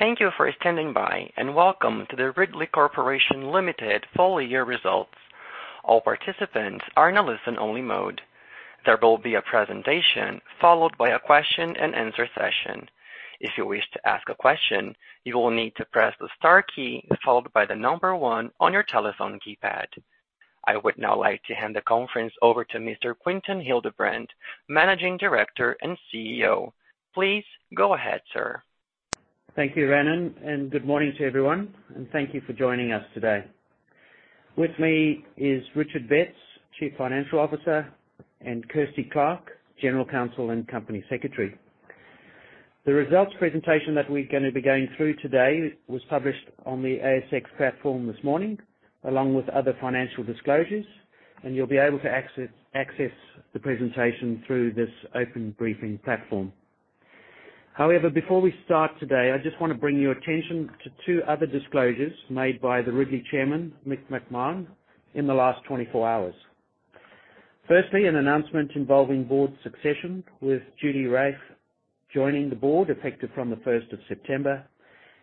Thank you for standing by and welcome to the Ridley Corporation Limited full-year results. All participants are in a listen-only mode. There will be a presentation followed by a question-and-answer session. If you wish to ask a question, you will need to press the star key followed by the number one on your telephone keypad. I would now like to hand the conference over to Mr. Quinton Hildebrand, Managing Director and CEO. Please go ahead, sir. Thank you, Renan, and good morning to everyone, and thank you for joining us today. With me is Richard Betts, Chief Financial Officer, and Kirsty Clarke, General Counsel and Company Secretary. The results presentation that we're going to be going through today was published on the ASX platform this morning along with other financial disclosures, and you'll be able to access the presentation through this open briefing platform. However, before we start today, I just want to bring your attention to two other disclosures made by the Ridley Chairman, Mick McMahon, in the last 24 hours. Firstly, an announcement involving board succession with Julie Raffe joining the board effective from the 1st of September,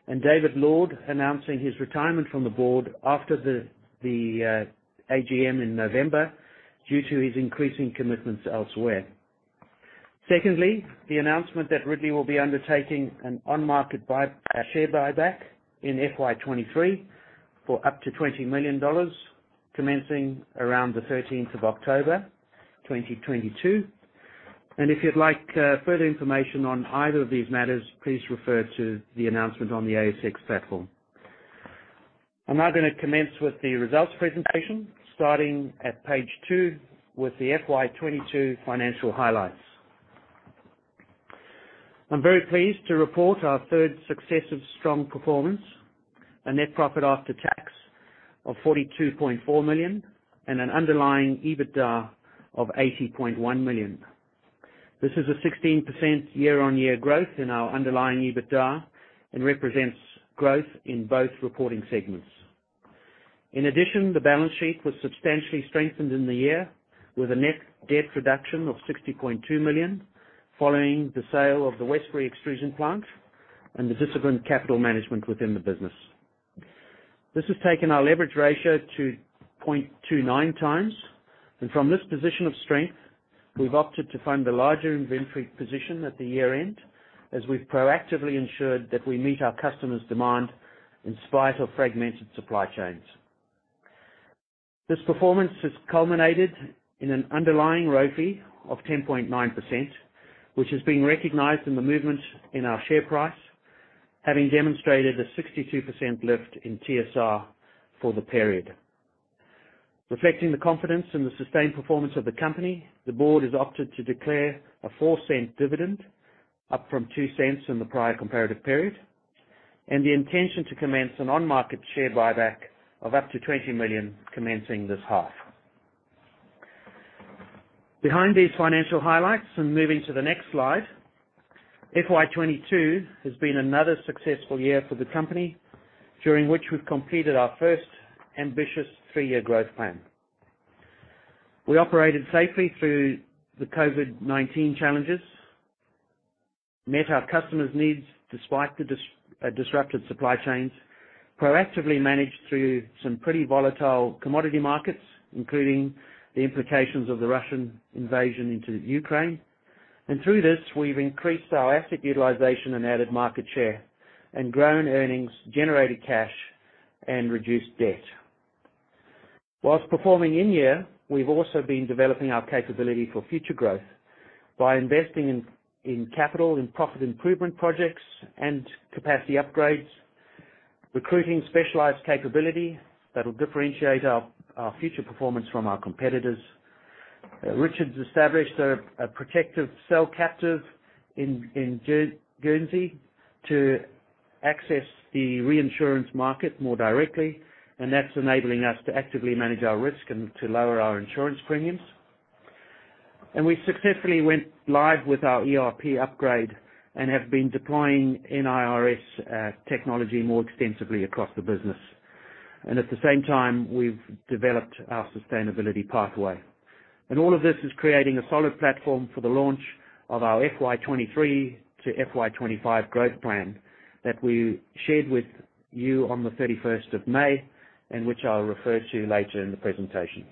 and David Lord announcing his retirement from the board after the AGM in November due to his increasing commitments elsewhere. Secondly, the announcement that Ridley will be undertaking an on-marketed share buyback in FY 2023 for up to 20 million dollars, commencing around the 13th of October 2022. If you'd like further information on either of these matters, please refer to the announcement on the ASX platform. I'm now going to commence with the results presentation starting at page two with the FY 2022 financial highlights. I'm very pleased to report our third successive strong performance, a net profit after tax of 42.4 million and an underlying EBITDA of 80.1 million. This is a 16% year-on-year growth in our underlying EBITDA and represents growth in both reporting segments. In addition, the balance sheet was substantially strengthened in the year with a net debt reduction of 60.2 million following the sale of the Westbury extrusion plant and the disciplined capital management within the business. This has taken our leverage ratio to 0.29x, and from this position of strength, we've opted to fund the larger inventory position at the year-end as we've proactively ensured that we meet our customers' demand in spite of fragmented supply chains. This performance has culminated in an underlying ROFI of 10.9%, which has been recognised in the movement in our share price, having demonstrated a 62% lift in TSR for the period. Reflecting the confidence in the sustained performance of the company, the board has opted to declare an 0.04 dividend, up from 0.02 in the prior comparative period, and the intention to commence an unmarketed share buyback of up to 20 million, commencing this half. Behind these financial highlights and moving to the next slide, FY 2022 has been another successful year for the company during which we've completed our first ambitious three-year growth plan. We operated safely through the COVID-19 challenges, met our customers' needs despite the disrupted supply chains, proactively managed through some pretty volatile commodity markets, including the implications of the Russian invasion into Ukraine, and through this, we've increased our asset utilization and added market share, and grown earnings, generated cash, and reduced debt. While performing in-year, we've also been developing our capability for future growth by investing in capital in profit improvement projects and capacity upgrades, recruiting specialized capability that'll differentiate our future performance from our competitors. Richard's established a protected cell captive in Guernsey to access the reinsurance market more directly, and that's enabling us to actively manage our risk and to lower our insurance premiums. We successfully went live with our ERP upgrade and have been deploying NIRS technology more extensively across the business, and at the same time, we've developed our sustainability pathway. All of this is creating a solid platform for the launch of our FY 2023-FY 2025 growth plan that we shared with you on the 31st of May and which I'll refer to later in the presentation.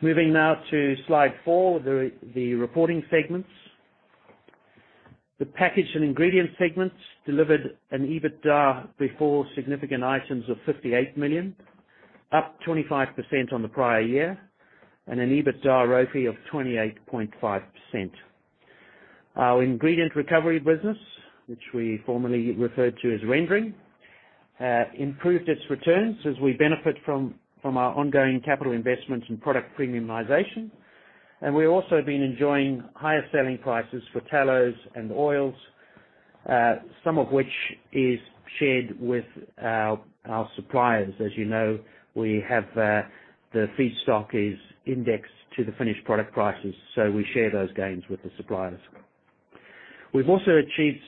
Moving now to slide four with the reporting segments. The package and ingredient segments delivered an EBITDA before significant items of 58 million, up 25% on the prior year, and an EBITDA ROFI of 28.5%. Our ingredient recovery business, which we formerly referred to as rendering, improved its returns as we benefit from our ongoing capital investments and product premiumization, and we're also been enjoying higher selling prices for tallows and oils, some of which is shared with our suppliers. As you know, the feedstock is indexed to the finished product prices, so we share those gains with the suppliers. We've also achieved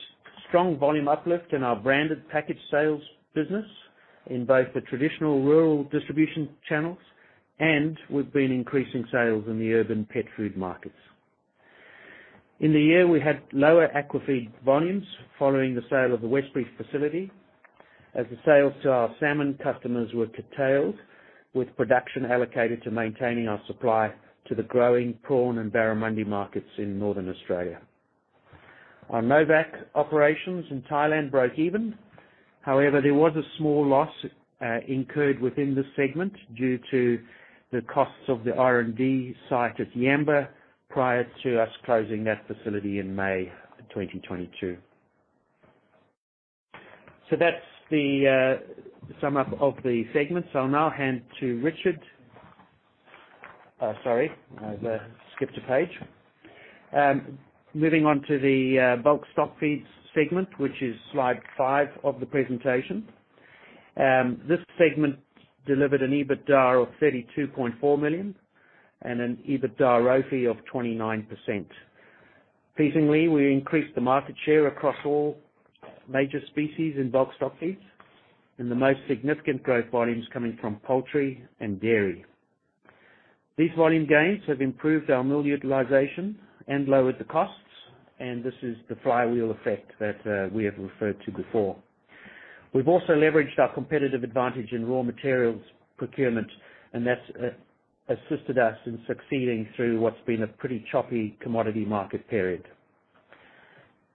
strong volume uplift in our branded package sales business in both the traditional rural distribution channels, and we've been increasing sales in the urban pet food markets. In the year, we had lower aquafeed volumes following the sale of the Westbury facility as the sales to our salmon customers were curtailed, with production allocated to maintaining our supply to the growing prawn and barramundi markets in Northern Australia. Our Novacq operations in Thailand broke even, however, there was a small loss incurred within this segment due to the costs of the R&D site at Yamba prior to us closing that facility in May 2022. That's the sum up of the segments. I'll now hand to Richard. Sorry, I skipped a page. Moving on to the bulk stock feeds segment, which is slide five of the presentation. This segment delivered an EBITDA of 32.4 million and an EBITDA ROFI of 29%. Pleasingly, we increased the market share across all major species in bulk stock feeds, and the most significant growth volume's coming from poultry and dairy. These volume gains have improved our mill utilization and lowered the costs, and this is the flywheel effect that we have referred to before. We've also leveraged our competitive advantage in raw materials procurement, and that's assisted us in succeeding through what's been a pretty choppy commodity market period.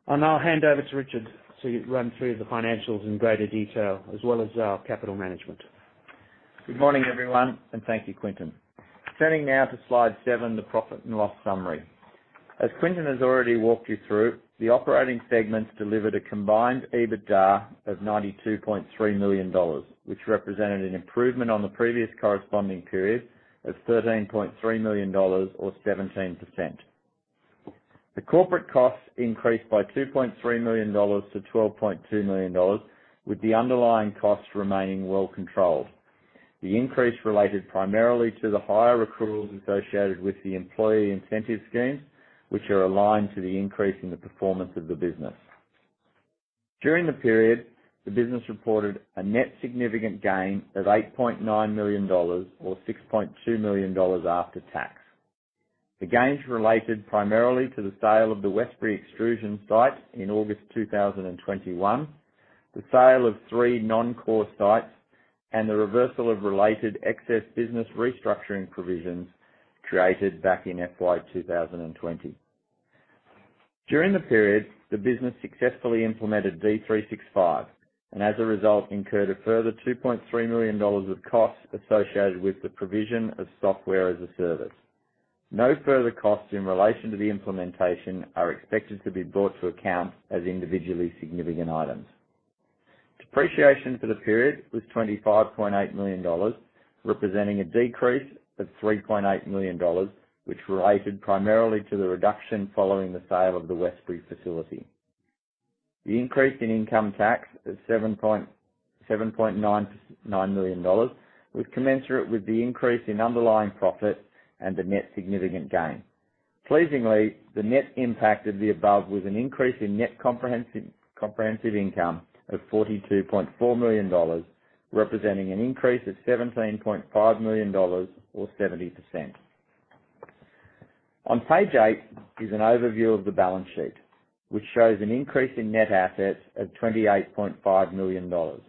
I'll now hand over to Richard to run through the financials in greater detail, as well as our capital management. Good morning, everyone, and thank you, Quinton. Turning now to slide seven, the profit and loss summary. As Quinton has already walked you through, the operating segments delivered a combined EBITDA of 92.3 million dollars, which represented an improvement on the previous corresponding period of 13.3 million dollars or 17%. The corporate costs increased by 2.3 million dollars to 12.2 million dollars, with the underlying costs remaining well controlled. The increase related primarily to the higher accruals associated with the employee incentive schemes, which are aligned to the increase in the performance of the business. During the period, the business reported a net significant gain of 8.9 million dollars or 6.2 million dollars after tax. The gains related primarily to the sale of the Westbury extrusion site in August 2021, the sale of three non-core sites, and the reversal of related excess business restructuring provisions created back in FY 2020. During the period, the business successfully implemented D365, and as a result, incurred a further 2.3 million dollars of costs associated with the provision of software as a service. No further costs in relation to the implementation are expected to be brought to account as individually significant items. Depreciation for the period was 25.8 million dollars, representing a decrease of 3.8 million dollars, which related primarily to the reduction following the sale of the Westbury facility. The increase in income tax of 7.9 million dollars was commensurate with the increase in underlying profit and the net significant gain. Pleasingly, the net impact of the above was an increase in net comprehensive income of 42.4 million dollars, representing an increase of 17.5 million dollars or 70%. On page eight is an overview of the balance sheet, which shows an increase in net assets of 28.5 million dollars.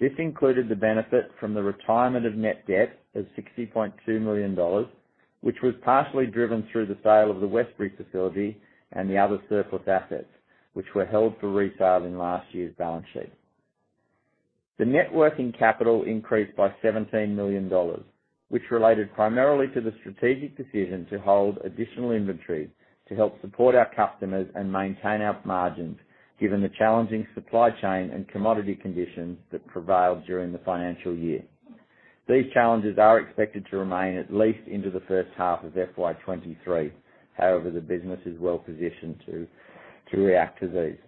This included the benefit from the retirement of net debt of 60.2 million dollars, which was partially driven through the sale of the Westbury facility and the other surplus assets, which were held for resale in last year's balance sheet. The net working capital increased by 17 million dollars, which related primarily to the strategic decision to hold additional inventory to help support our customers and maintain our margins, given the challenging supply chain and commodity conditions that prevailed during the financial year. These challenges are expected to remain at least into the first half of FY 2023. However, the business is well positioned to react to these.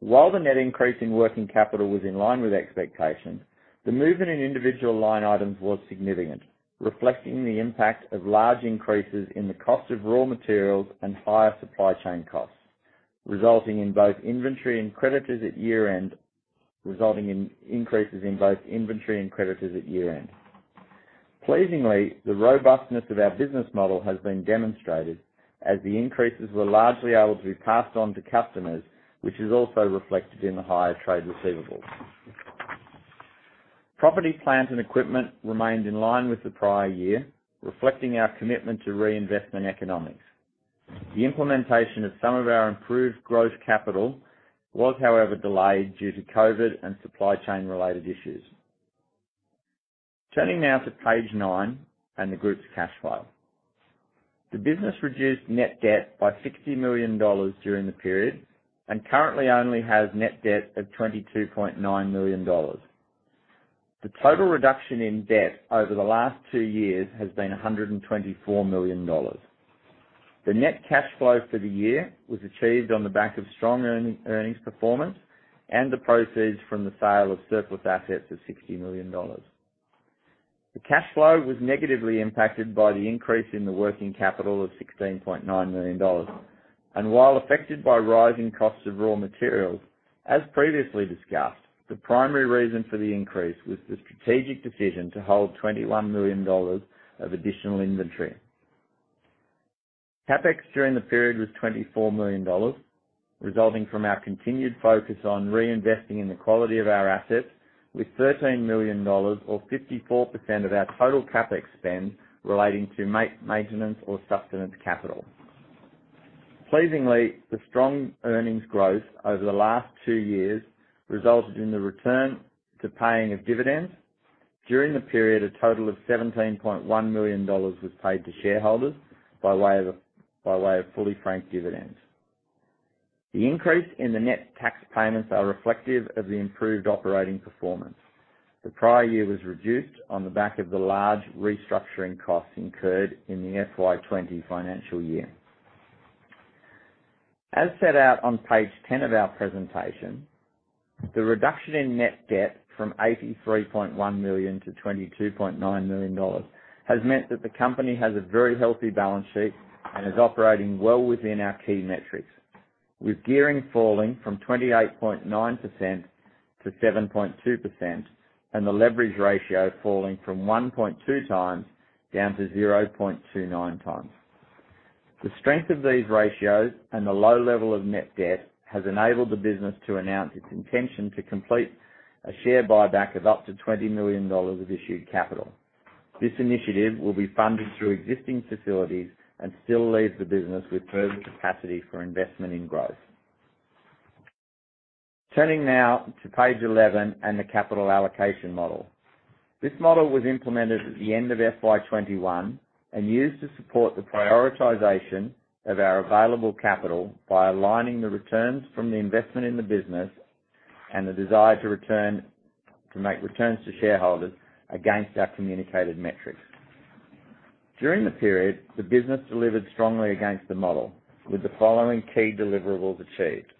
While the net increase in working capital was in line with expectations, the movement in individual line items was significant, reflecting the impact of large increases in the cost of raw materials and higher supply chain costs, resulting in increases in both inventory and creditors at year-end. Pleasingly, the robustness of our business model has been demonstrated as the increases were largely able to be passed on to customers, which is also reflected in the higher trade receivables. Property, plant, and equipment remained in line with the prior year, reflecting our commitment to reinvestment economics. The implementation of some of our CapEx was, however, delayed due to COVID and supply chain-related issues. Turning now to page nine and the group's cash flow. The business reduced net debt by 60 million dollars during the period and currently only has net debt of 22.9 million dollars. The total reduction in debt over the last two years has been 124 million dollars. The net cash flow for the year was achieved on the back of strong earnings performance and the proceeds from the sale of surplus assets of 60 million dollars. The cash flow was negatively impacted by the increase in the working capital of 16.9 million dollars. While affected by rising costs of raw materials, as previously discussed, the primary reason for the increase was the strategic decision to hold 21 million dollars of additional inventory. CapEx during the period was 24 million dollars, resulting from our continued focus on reinvesting in the quality of our assets, with 13 million dollars or 54% of our total CapEx spend relating to maintenance or sustenance capital. Pleasingly, the strong earnings growth over the last two years resulted in the return to paying of dividends. During the period, a total of 17.1 million dollars was paid to shareholders by way of fully franked dividends. The increase in the net tax payments is reflective of the improved operating performance. The prior year was reduced on the back of the large restructuring costs incurred in the FY 2020 financial year. As set out on page 10 of our presentation, the reduction in net debt from 83.1 million-22.9 million dollars has meant that the company has a very healthy balance sheet and is operating well within our key metrics, with gearing falling from 28.9%-7.2% and the leverage ratio falling from 1.2x down-0.29x. The strength of these ratios and the low level of net debt has enabled the business to announce its intention to complete a share buyback of up to 20 million of issued capital. This initiative will be funded through existing facilities and still leave the business with further capacity for investment in growth. Turning now to page 11 and the capital allocation model. This model was implemented at the end of FY 2021 and used to support the prioritisation of our available capital by aligning the returns from the investment in the business and the desire to make returns to shareholders against our communicated metrics. During the period, the business delivered strongly against the model, with the following key deliverables achieved.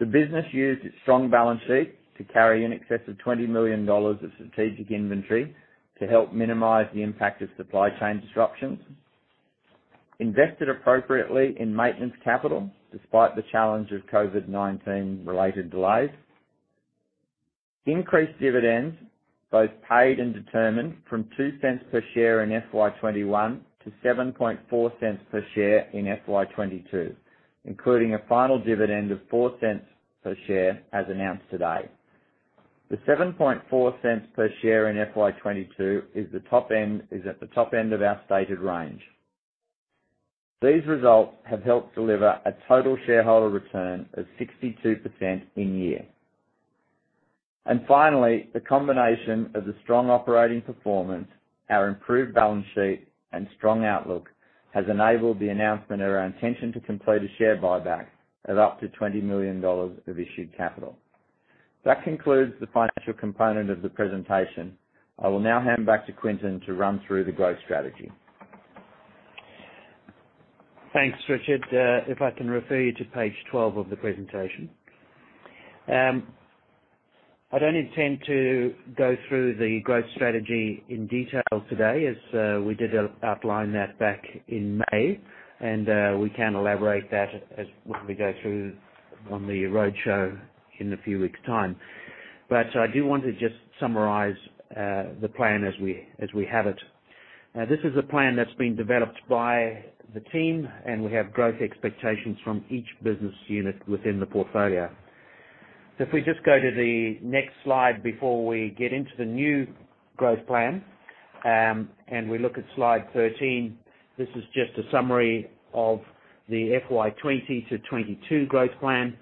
The business used its strong balance sheet to carry in excess of 20 million dollars of strategic inventory to help minimize the impact of supply chain disruptions, invested appropriately in maintenance capital despite the challenge of COVID-19-related delays, increased dividends both paid and determined from 0.02 per share in FY 2021 to 0.074 per share in FY 2022, including a final dividend of 0.04 per share as announced today. The 0.074 per share in FY 2022 is at the top end of our stated range. These results have helped deliver a total shareholder return of 62% in year. Finally, the combination of the strong operating performance, our improved balance sheet, and strong outlook has enabled the announcement of our intention to complete a share buyback of up to 20 million dollars of issued capital. That concludes the financial component of the presentation. I will now hand back to Quinton to run through the growth strategy. Thanks, Richard. If I can refer you to page 12 of the presentation. I don't intend to go through the growth strategy in detail today, as we did outline that back in May, and we can elaborate that when we go through on the roadshow in a few weeks' time. I do want to just summarize the plan as we have it. This is a plan that's been developed by the team, and we have growth expectations from each business unit within the portfolio. If we just go to the next slide before we get into the new growth plan and we look at slide 13, this is just a summary of the FY 2020-FY 2022 growth plan.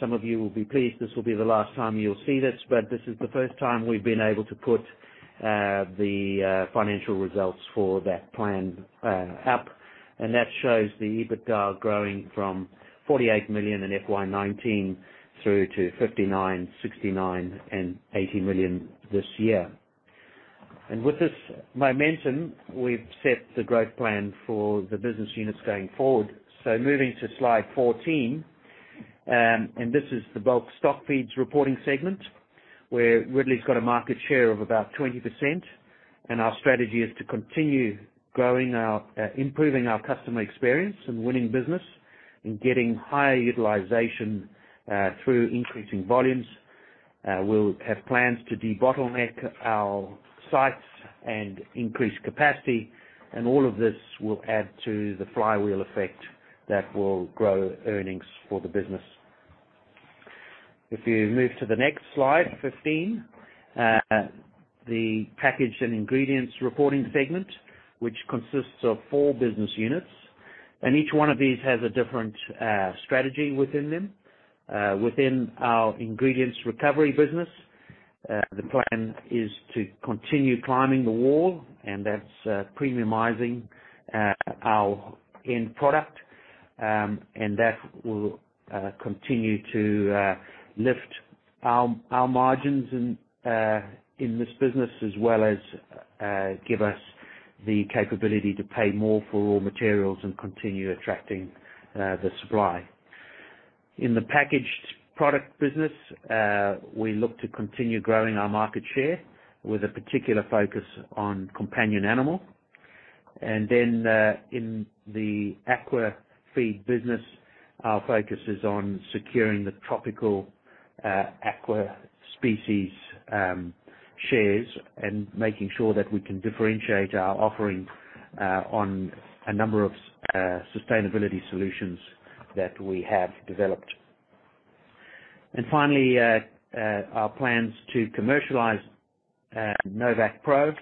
Some of you will be pleased this will be the last time you'll see this, but this is the first time we've been able to put the financial results for that plan up. That shows the EBITDA growing from 48 million in FY 2019 through to 59 million, 69 million, and 80 million this year. With this momentum, we've set the growth plan for the business units going forward. Moving to slide 14, and this is the bulk stock feeds reporting segment, where Ridley's got a market share of about 20%. Our strategy is to continue improving our customer experience and winning business and getting higher utilization through increasing volumes. We'll have plans to debottleneck our sites and increase capacity, and all of this will add to the flywheel effect that will grow earnings for the business. If you move to the next slide 15, the packaging and ingredients reporting segment, which consists of four business units, and each one of these has a different strategy within them. Within our ingredients recovery business, the plan is to continue climbing the wall, and that's premiumizing our end product. That will continue to lift our margins in this business as well as give us the capability to pay more for raw materials and continue attracting the supply. In the packaged product business, we look to continue growing our market share with a particular focus on companion animal. In the aqua feed business, our focus is on securing the tropical aqua species shares and making sure that we can differentiate our offering on a number of sustainability solutions that we have developed. Finally, our plans to commercialize NovacqPro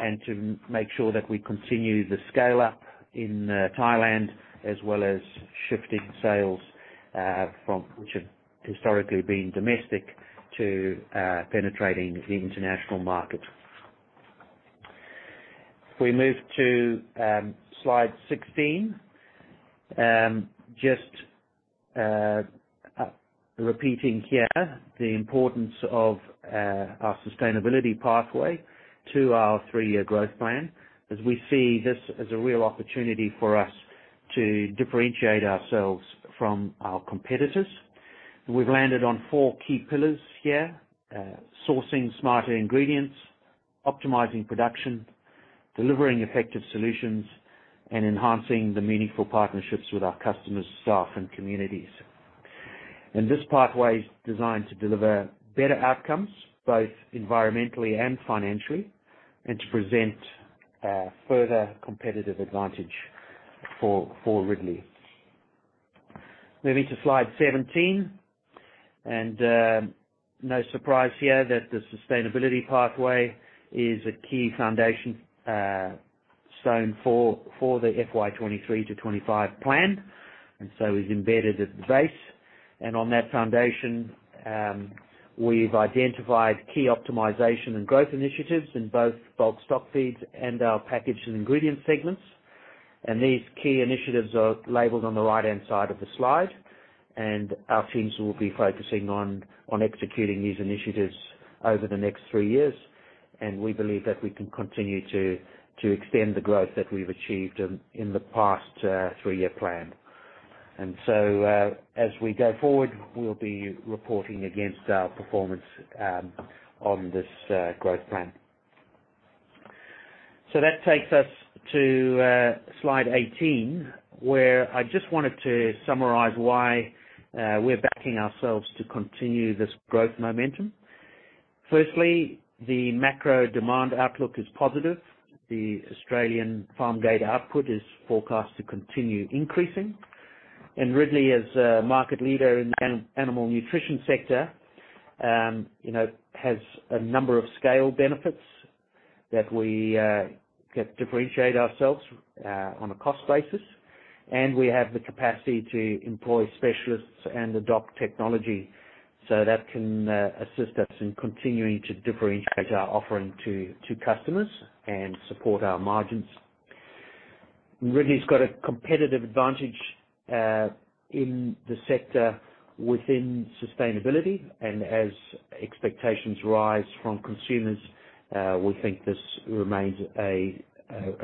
and to make sure that we continue the scale-up in Thailand as well as shifting sales, which have historically been domestic, to penetrating the international market. If we move to slide 16, just repeating here the importance of our sustainability pathway to our three-year growth plan, as we see this as a real opportunity for us to differentiate ourselves from our competitors. We've landed on four key pillars here. Sourcing smarter ingredients, optimizing production, delivering effective solutions, and enhancing the meaningful partnerships with our customers, staff, and communities. This pathway's designed to deliver better outcomes, both environmentally and financially, and to present further competitive advantage for Ridley. Moving to slide 17, and no surprise here that the sustainability pathway is a key foundation stone for the FY 2023-FY 2025 plan, and so is embedded at the base. On that foundation, we've identified key optimization and growth initiatives in both bulk stock feeds and our package and ingredients segments. These key initiatives are labelled on the right-hand side of the slide, and our teams will be focusing on executing these initiatives over the next three years. We believe that we can continue to extend the growth that we've achieved in the past three-year plan. As we go forward, we'll be reporting against our performance on this growth plan. That takes us to slide 18, where I just wanted to summarise why we're backing ourselves to continue this growth momentum. Firstly, the macro demand outlook is positive. The Australian farm gate output is forecast to continue increasing. Ridley, as a market leader in the animal nutrition sector, has a number of scale benefits that we can differentiate ourselves on a cost basis. We have the capacity to employ specialists and adopt technology so that can assist us in continuing to differentiate our offering to customers and support our margins. Ridley's got a competitive advantage in the sector within sustainability, and as expectations rise from consumers, we think this remains a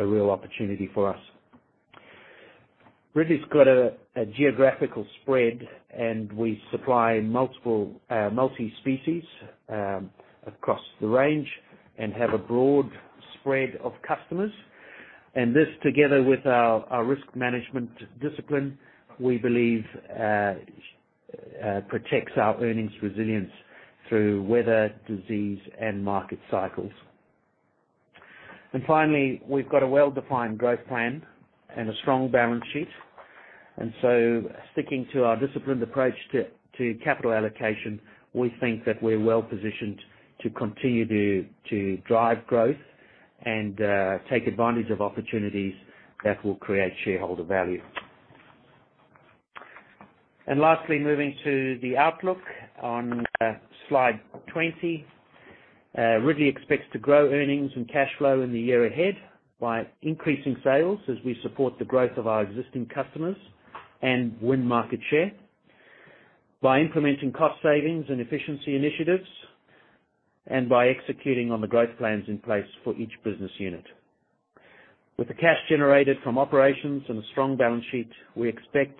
real opportunity for us. Ridley's got a geographical spread, and we supply multi-species across the range and have a broad spread of customers. This, together with our risk management discipline, we believe protects our earnings resilience through weather, disease, and market cycles. Finally, we've got a well-defined growth plan and a strong balance sheet. Sticking to our disciplined approach to capital allocation, we think that we're well-positioned to continue to drive growth and take advantage of opportunities that will create shareholder value. Last, moving to the outlook on slide 20, Ridley expects to grow earnings and cash flow in the year ahead by increasing sales as we support the growth of our existing customers and win market share, by implementing cost savings and efficiency initiatives, and by executing on the growth plans in place for each business unit. With the cash generated from operations and a strong balance sheet, we expect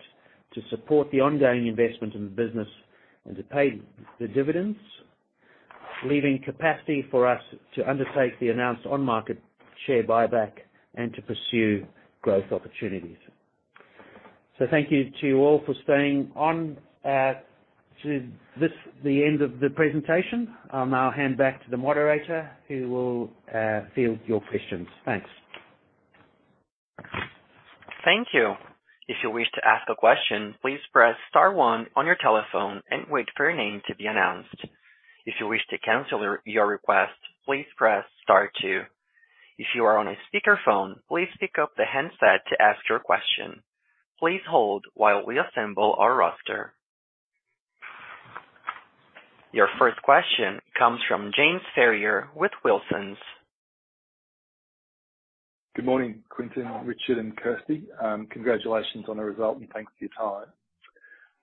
to support the ongoing investment in the business and to pay the dividends, leaving capacity for us to undertake the announced on-market share buyback and to pursue growth opportunities. Thank you to you all for staying on to the end of the presentation. I'll now hand back to the moderator, who will field your questions. Thanks. Thank you. If you wish to ask a question, please press star one on your telephone and wait for your name to be announced. If you wish to cancel your request, please press star two. If you are on a speakerphone, please pick up the headset to ask your question. Please hold while we assemble our roster. Your first question comes from James Ferrier with Wilsons. Good morning, Quinton, Richard, and Kirsty. Congratulations on the result, and thanks for your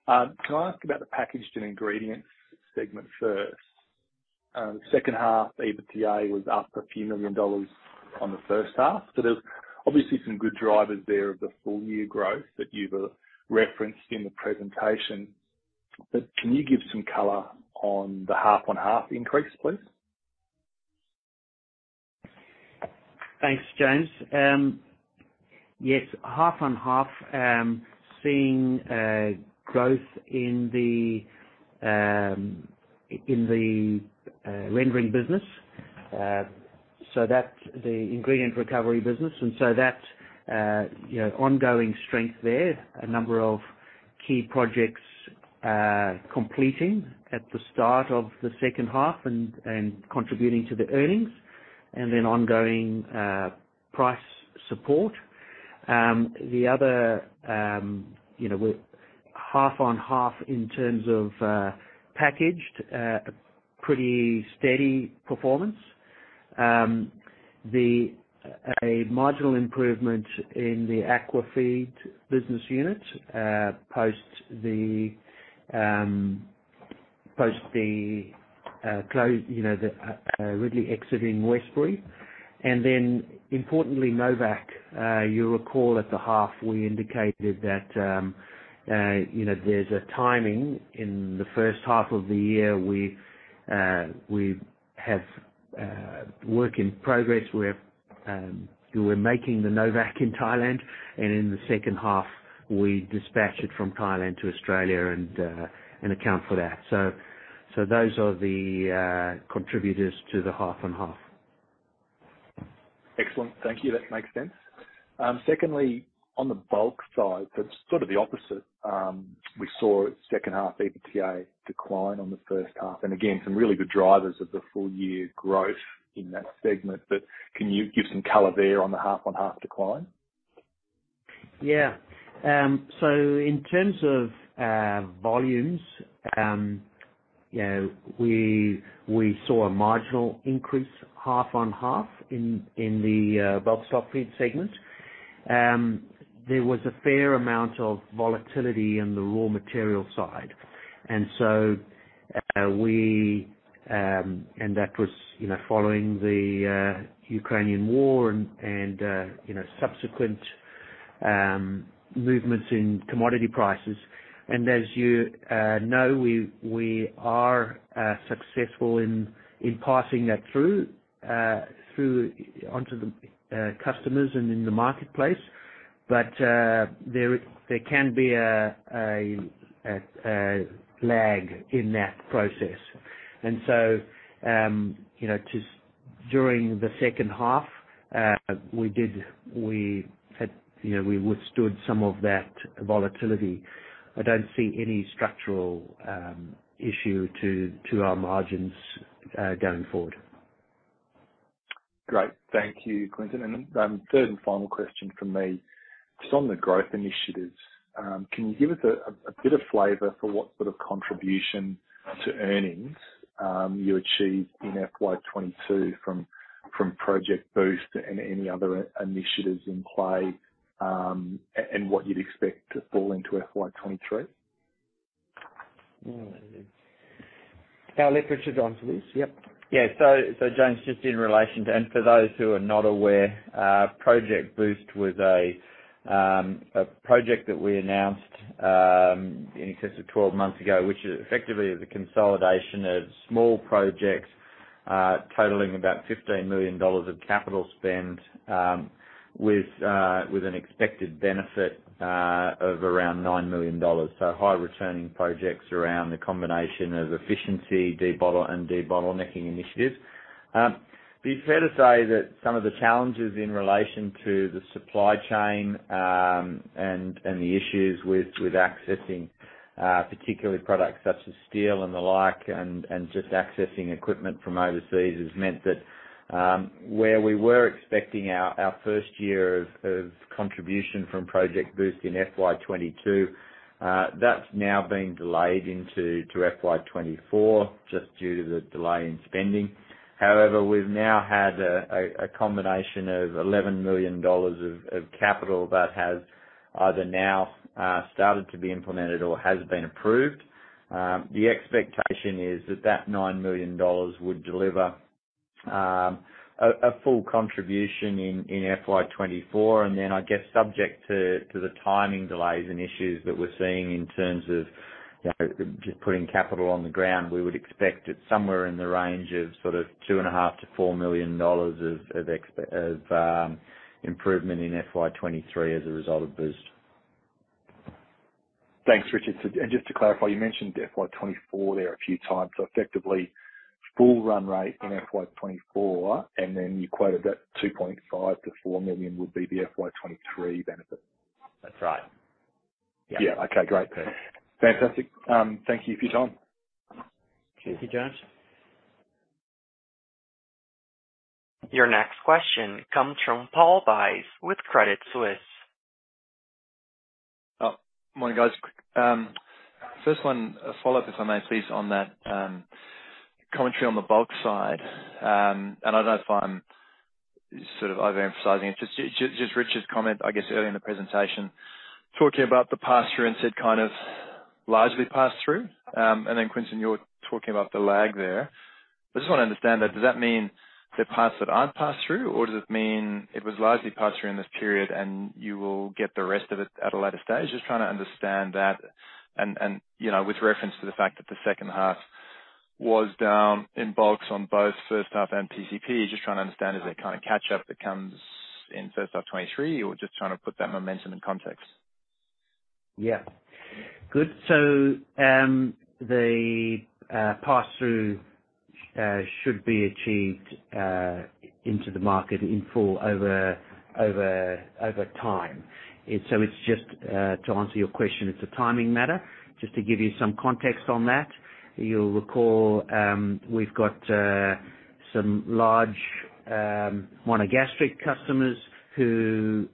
time. Can I ask about the packaged and ingredients segment first? The second half EBITDA was up AUD a few million on the first half. There's obviously some good drivers there of the full-year growth that you've referenced in the presentation. Can you give some color on the half-on-half increase, please? Thanks, James. Yes, half-on-half, seeing growth in the rendering business, so the ingredient recovery business, and so that ongoing strength there, a number of key projects completing at the start of the second half and contributing to the earnings, and then ongoing price support. The other half-on-half in terms of packaged, pretty steady performance. A marginal improvement in the aqua feed business unit post the Ridley exiting Westbury. Then, importantly, Novacq. You'll recall at the half we indicated that there's a timing in the first half of the year we have work in progress where we're making the Novacq in Thailand, and in the second half we dispatch it from Thailand to Australia and account for that. Those are the contributors to the half-on-half. Excellent. Thank you. That makes sense. Secondly, on the bulk side, that's sort of the opposite. We saw second-half EBITDA decline on the first half, and again, some really good drivers of the full-year growth in that segment. But can you give some color there on the half-on-half decline? Yeah. In terms of volumes, we saw a marginal increase, half-on-half, in the bulk stock feed segment. There was a fair amount of volatility in the raw material side. That was following the Ukrainian war and subsequent movements in commodity prices. As you know, we are successful in passing that through onto the customers and in the marketplace, but there can be a lag in that process. During the second half, we withstood some of that volatility. I don't see any structural issue to our margins going forward. Great. Thank you, Quinton. Third and final question from me, just on the growth initiatives. Can you give us a bit of flavor for what sort of contribution to earnings you achieved in FY 2022 from Project Boost and any other initiatives in play and what you'd expect to fall into FY 2023? Now let Richard answer, please. Yep. Yeah. James, just in relation to and for those who are not aware, Project Boost was a project that we announced in excess of 12 months ago, which effectively is a consolidation of small projects totaling about 15 million dollars of capital spend with an expected benefit of around 9 million dollars, so high-returning projects around the combination of efficiency, debottleneck, and debottlenecking initiatives. It's fair to say that some of the challenges in relation to the supply chain and the issues with accessing, particularly products such as steel and the like, and just accessing equipment from overseas has meant that where we were expecting our first year of contribution from Project Boost in FY 2022, that's now been delayed into FY 2024 just due to the delay in spending. However, we've now had a combination of 11 million dollars of capital that has either now started to be implemented or has been approved. The expectation is that that 9 million dollars would deliver a full contribution in FY 2024. I guess, subject to the timing delays and issues that we're seeing in terms of just putting capital on the ground, we would expect it somewhere in the range of sort of 2.5 million-4 million dollars of improvement in FY 2023 as a result of Boost. Thanks, Richard. Just to clarify, you mentioned FY 2024 there a few times. Effectively, full run rate in FY 2024, and then you quoted that 2.5 million-4 million would be the FY 2023 benefit. That's right. Yeah. Yeah. Okay. Great. Fantastic. Thank you for your time. Thank you, James. Your next question comes from Paul Buys with Credit Suisse. Morning, guys. First one, a follow-up, if I may, please, on that commentary on the bulk side. I don't know if I'm sort of overemphasizing it. Just Richard's comment, I guess, earlier in the presentation, talking about the pass-through and said kind of largely pass-through. Then, Quinton, you were talking about the lag there. I just want to understand that. Does that mean there are parts that aren't pass-through, or does it mean it was largely pass-through in this period and you will get the rest of it at a later stage? Just trying to understand that. With reference to the fact that the second half was down in bulks on both first half and PCP, just trying to understand, is there kind of catch-up that comes in first half 2023, or just trying to put that momentum in context? Yeah. Good. The pass-through should be achieved into the market in full over time. It's just, to answer your question, it's a timing matter. Just to give you some context on that, you'll recall we've got some large monogastric customers who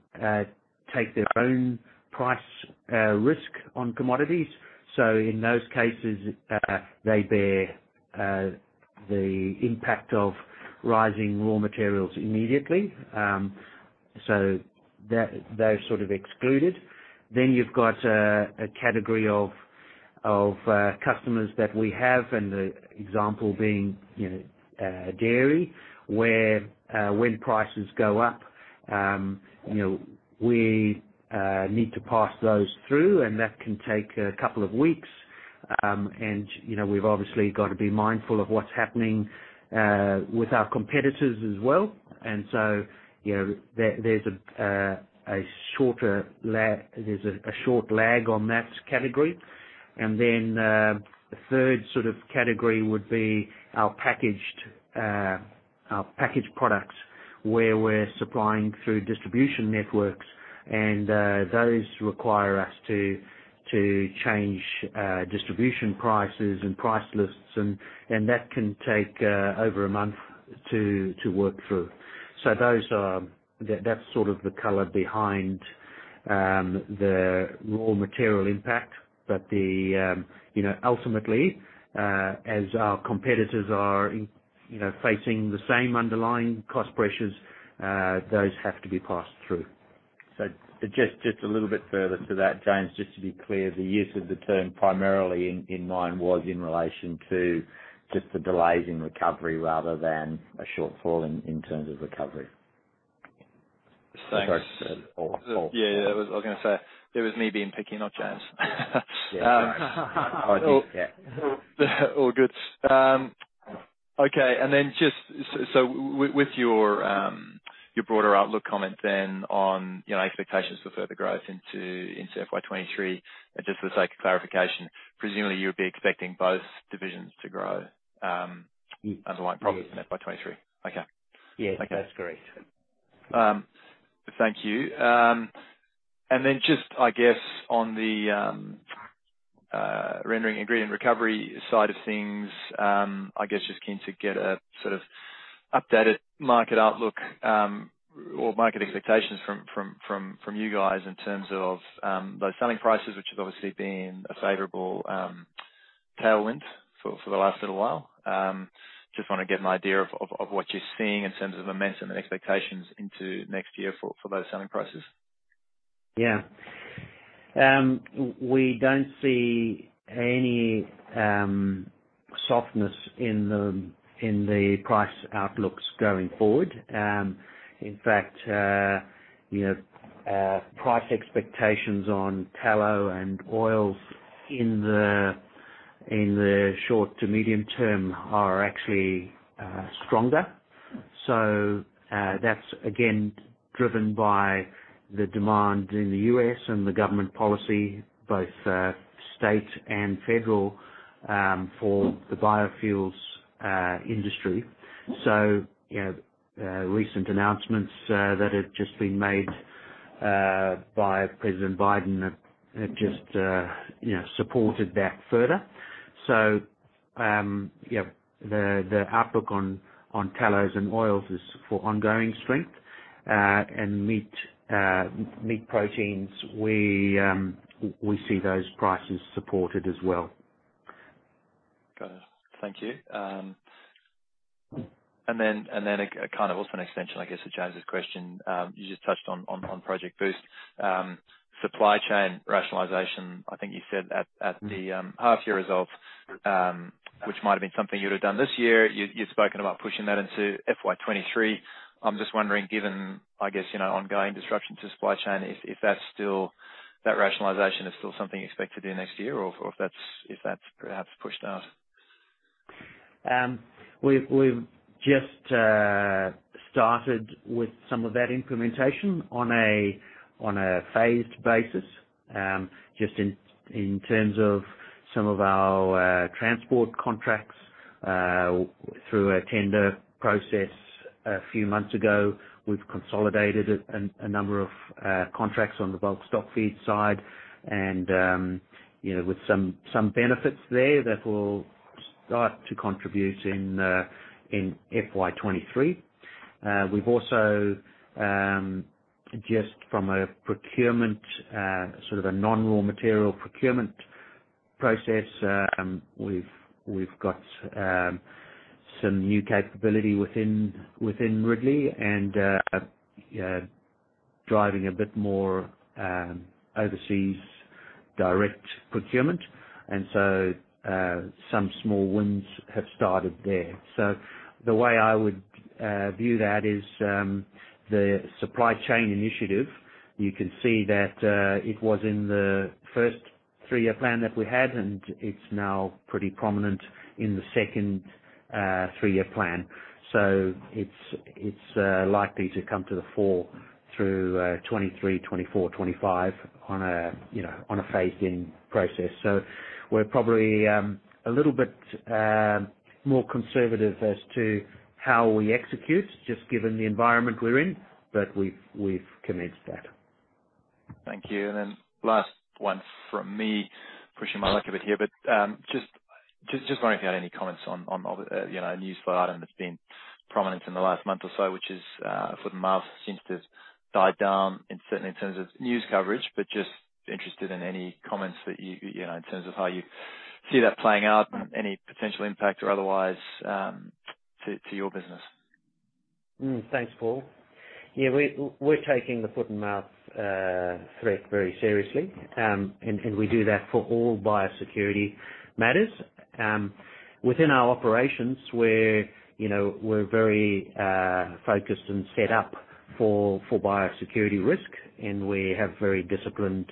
take their own price risk on commodities. In those cases, they bear the impact of rising raw materials immediately. They're sort of excluded. You've got a category of customers that we have, and the example being dairy, where when prices go up, we need to pass those through, and that can take a couple of weeks. We've obviously got to be mindful of what's happening with our competitors as well. There's a short lag on that category. The third sort of category would be our packaged products, where we're supplying through distribution networks, and those require us to change distribution prices and price lists, and that can take over a month to work through. That's sort of the color behind the raw material impact. Ultimately, as our competitors are facing the same underlying cost pressures, those have to be passed through. Just a little bit further to that, James, just to be clear, the use of the term primarily in mind was in relation to just the delays in recovery rather than a shortfall in terms of recovery. Thanks. I'm sorry. Yeah. That was what I was going to say. It was me being picky, not James. Yeah. Sorry. All right. All right. All good. Okay. Just so with your broader outlook comment then on expectations for further growth into FY 2023, just for the sake of clarification, presumably, you would be expecting both divisions to grow underlying profits in FY 2023? Yes. Okay. Okay. That's correct. Thank you. Then just, I guess, on the rendering ingredient recovery side of things, I guess just keen to get a sort of updated market outlook or market expectations from you guys in terms of those selling prices, which has obviously been a favorable tailwind for the last little while. Just want to get an idea of what you're seeing in terms of momentum and expectations into next year for those selling prices. Yeah. We don't see any softness in the price outlooks going forward. In fact, price expectations on tallow and oils in the short to medium term are actually stronger. That's, again, driven by the demand in the U.S. and the government policy, both state and federal, for the biofuels industry. Recent announcements that have just been made by President Biden have just supported that further. The outlook on tallows and oils is for ongoing strength. Meat proteins, we see those prices supported as well. Got it. Thank you. Kind of also an extension, I guess, to James's question, you just touched on Project Boost. Supply chain rationalization, I think you said at the half-year results, which might have been something you'd have done this year. You'd spoken about pushing that into FY 2023. I'm just wondering, given, I guess, ongoing disruption to supply chain, if that rationalization is still something you expect to do next year or if that's perhaps pushed out? We've just started with some of that implementation on a phased basis. Just in terms of some of our transport contracts through a tender process a few months ago, we've consolidated a number of contracts on the bulk stock feed side and with some benefits there that will start to contribute in FY 2023. We've also, just from a procurement, sort of a non-raw material procurement process, we've got some new capability within Ridley and driving a bit more overseas direct procurement. Some small wins have started there. The way I would view that is the supply chain initiative, you can see that it was in the first three-year plan that we had, and it's now pretty prominent in the second three-year plan. It's likely to come to the fore through 2023, 2024, 2025 on a phased-in process. We're probably a little bit more conservative as to how we execute, just given the environment we're in, but we've commenced that. Thank you. Last one from me, pushing my luck a bit here, but just wondering if you had any comments on a news item that's been prominent in the last month or so, which is for the FMD, seems to have died down, certainly in terms of news coverage, but just interested in any comments in terms of how you see that playing out and any potential impact or otherwise to your business. Thanks, Paul. Yeah. We're taking the foot-and-mouth threat very seriously, and we do that for all biosecurity matters. Within our operations, we're very focused and set up for biosecurity risk, and we have very disciplined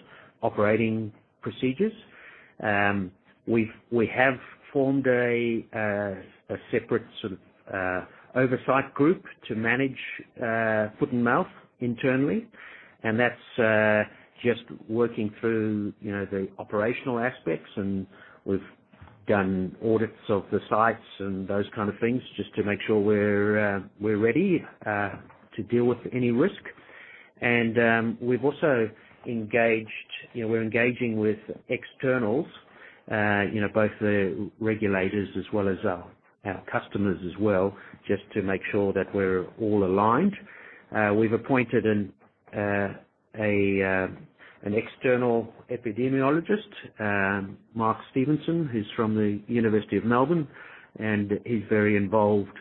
operating procedures. We have formed a separate sort of oversight group to manage foot-and-mouth internally, and that's just working through the operational aspects. We've done audits of the sites and those kind of things just to make sure we're ready to deal with any risk. We've also we're engaging with externals, both the regulators as well as our customers as well, just to make sure that we're all aligned. We've appointed an external epidemiologist, Mark Stevenson, who's from the University of Melbourne, and he's very involved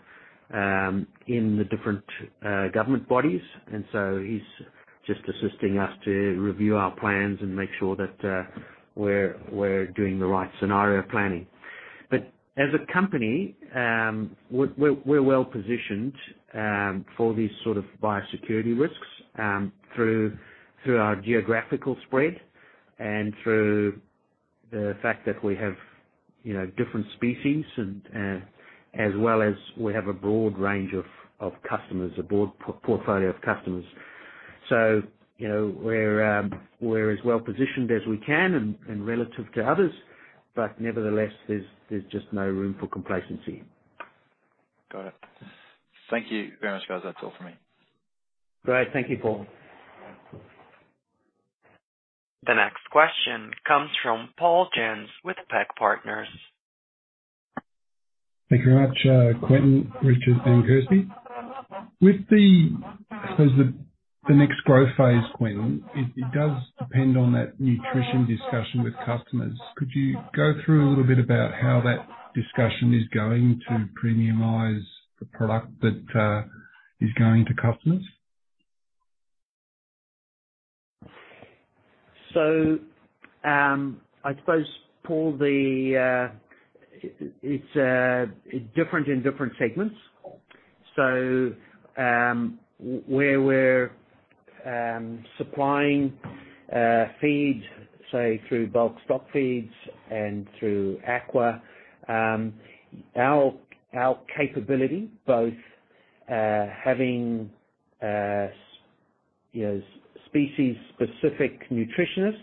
in the different government bodies. He's just assisting us to review our plans and make sure that we're doing the right scenario planning. As a company, we're well-positioned for these sort of biosecurity risks through our geographical spread and through the fact that we have different species as well as we have a broad range of customers, a broad portfolio of customers. We're as well-positioned as we can and relative to others, but nevertheless, there's just no room for complacency. Got it. Thank you very much, guys. That's all from me. Great. Thank you, Paul. The next question comes from Paul Jensz with PAC Partners. Thank you very much, Quinton, Richard, and Kirsty. I suppose the next growth phase, Quinton, it does depend on that nutrition discussion with customers. Could you go through a little bit about how that discussion is going to premiumize the product that is going to customers? I suppose, Paul, it's different in different segments. Where we're supplying feed, say, through bulk stock feeds and through aqua, our capability, both having species-specific nutritionists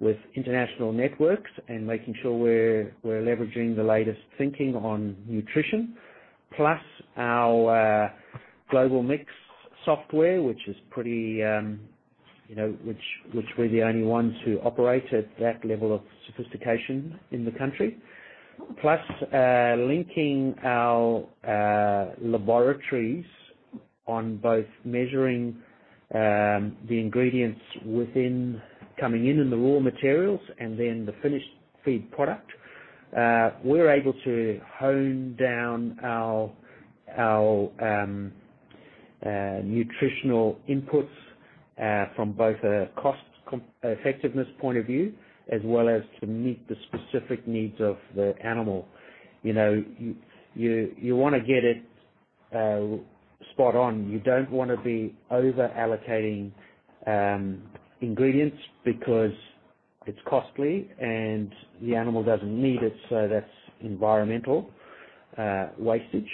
with international networks and making sure we're leveraging the latest thinking on nutrition, plus our global mix software, which we're the only ones who operate at that level of sophistication in the country, plus linking our laboratories on both measuring the ingredients coming in the raw materials and then the finished feed product, we're able to hone down our nutritional inputs from both a cost-effectiveness point of view as well as to meet the specific needs of the animal. You want to get it spot on. You don't want to be over-allocating ingredients because it's costly, and the animal doesn't need it, so that's environmental wastage.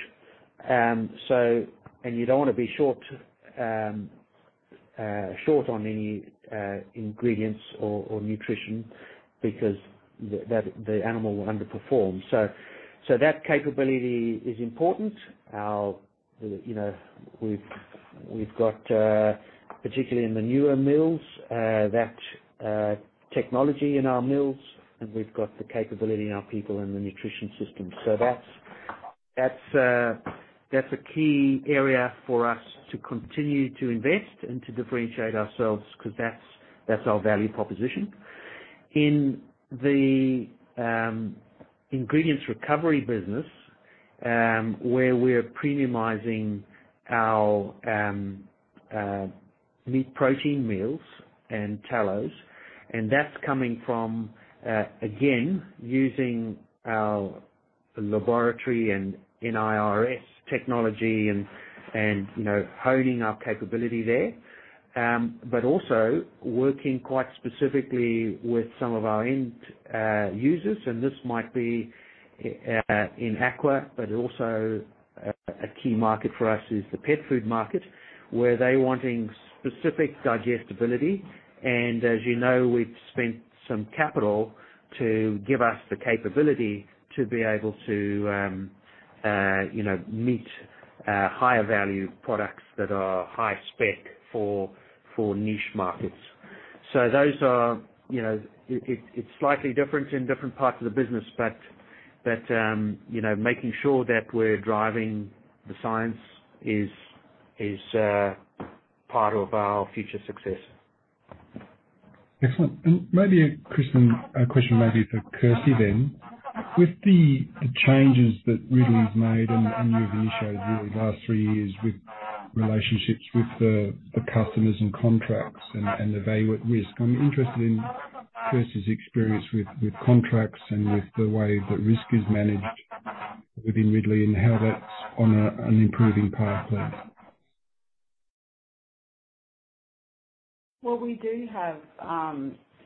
You don't want to be short on any ingredients or nutrition because the animal will underperform. That capability is important. Particularly in the newer mills, that technology in our mills, and we've got the capability in our people and the nutrition systems. That's a key area for us to continue to invest and to differentiate ourselves because that's our value proposition. In the ingredients recovery business, where we're premiumising our meat protein meals and tallows, and that's coming from, again, using our laboratory and NIRS technology and honing our capability there, but also working quite specifically with some of our end users. This might be in aqua, but also a key market for us is the pet food market, where they're wanting specific digestibility. As you know, we've spent some capital to give us the capability to be able to meet higher-value products that are high spec for niche markets. It's slightly different in different parts of the business, but making sure that we're driving the science is part of our future success. Excellent. Maybe a question for Kirsty then. With the changes that Ridley's made and you've initiated really last three years with relationships with the customers and contracts and the value at risk, I'm interested in Kirsty's experience with contracts and with the way that risk is managed within Ridley and how that's on an improving path, please. Well, we do have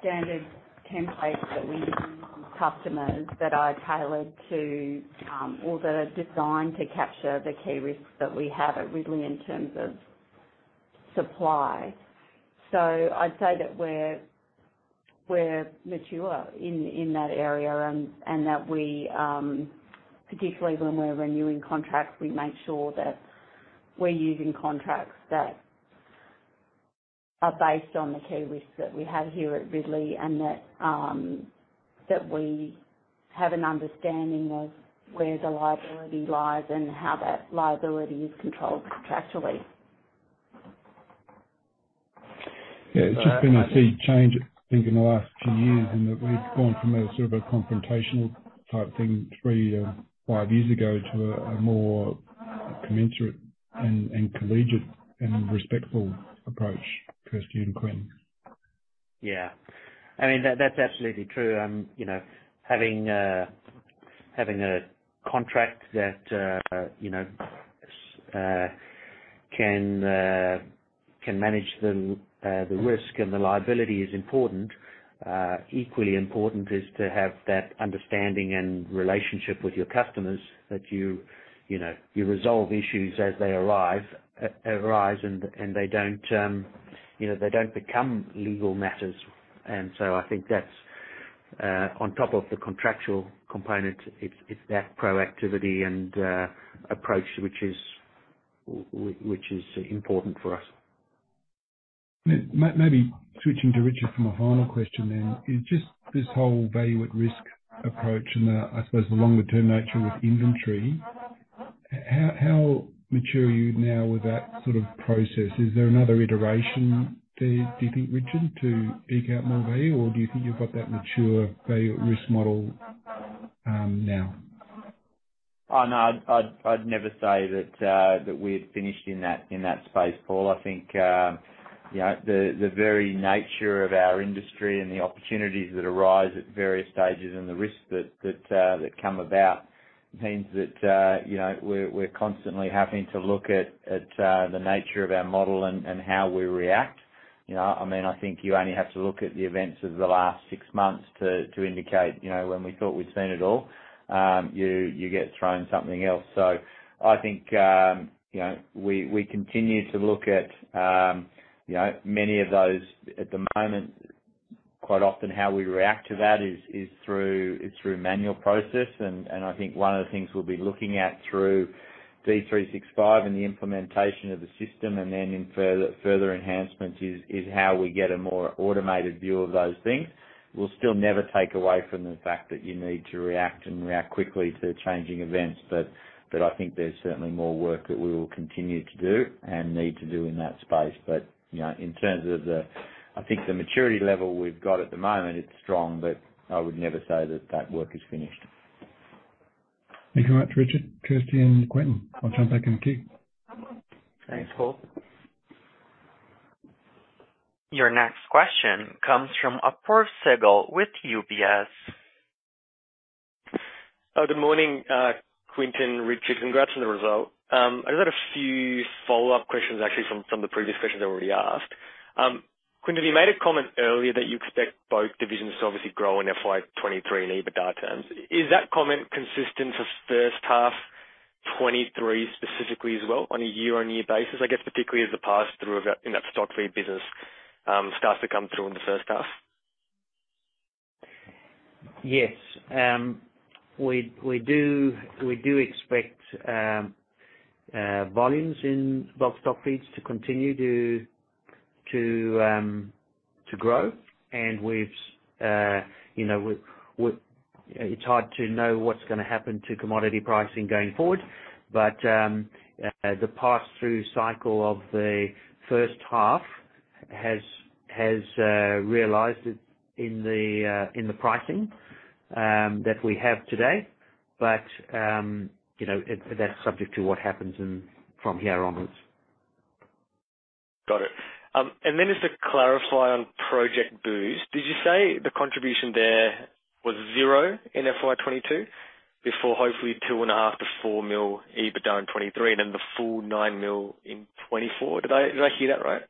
standard templates that we use with customers that are tailored to or that are designed to capture the key risks that we have at Ridley in terms of supply. I'd say that we're mature in that area and that we, particularly when we're renewing contracts, we make sure that we're using contracts that are based on the key risks that we have here at Ridley and that we have an understanding of where the liability lies and how that liability is controlled contractually. Yeah. It's just been a big change, I think, in the last few years in that we've gone from a sort of a confrontational type thing three years-five years ago to a more commensurate and collegiate and respectful approach, Kirsty and Quinton. Yeah. I mean, that's absolutely true. Having a contract that can manage the risk and the liability is important. Equally important is to have that understanding and relationship with your customers that you resolve issues as they arise and they don't become legal matters. I think that's, on top of the contractual component, it's that proactivity and approach which is important for us. Maybe switching to Richard for a final question then. It's just this whole value at risk approach and, I suppose, the longer-term nature with inventory. How mature are you now with that sort of process? Is there another iteration, do you think, Richard, to eke out more value, or do you think you've got that mature value at risk model now? Oh, no. I'd never say that we had finished in that space, Paul. I think the very nature of our industry and the opportunities that arise at various stages and the risks that come about means that we're constantly having to look at the nature of our model and how we react. I mean, I think you only have to look at the events of the last six months to indicate when we thought we'd seen it all. You get thrown something else. I think we continue to look at many of those. At the moment, quite often, how we react to that is through manual process. I think one of the things we'll be looking at through D365 and the implementation of the system and then in further enhancements is how we get a more automated view of those things. We'll still never take away from the fact that you need to react and react quickly to changing events, but I think there's certainly more work that we will continue to do and need to do in that space. In terms of the, I think, the maturity level we've got at the moment, it's strong, but I would never say that that work is finished. Thank you very much, Richard, Kirsty, and Quinton. I'll jump back in to keep. Thanks, Paul. Your next question comes from Apurv Segal with UBS. Oh, good morning, Quinton, Richard. Congrats on the result. I just had a few follow-up questions, actually, from some of the previous questions I already asked. Quinton, you made a comment earlier that you expect both divisions to obviously grow in FY 2023 and EBITDA terms. Is that comment consistent for first half 2023 specifically as well on a year-on-year basis, I guess, particularly as the pass-through in that stock feed business starts to come through in the first half? Yes. We do expect volumes in bulk stock feeds to continue to grow, and it's hard to know what's going to happen to commodity pricing going forward, but the pass-through cycle of the first half has realized it in the pricing that we have today. That's subject to what happens from here onwards. Got it. Just to clarify on Project Boost, did you say the contribution there was zero in FY 2022 before hopefully 2.5 million-4 million EBITDA in 2023 and then the full 9 million in 2024? Did I hear that right?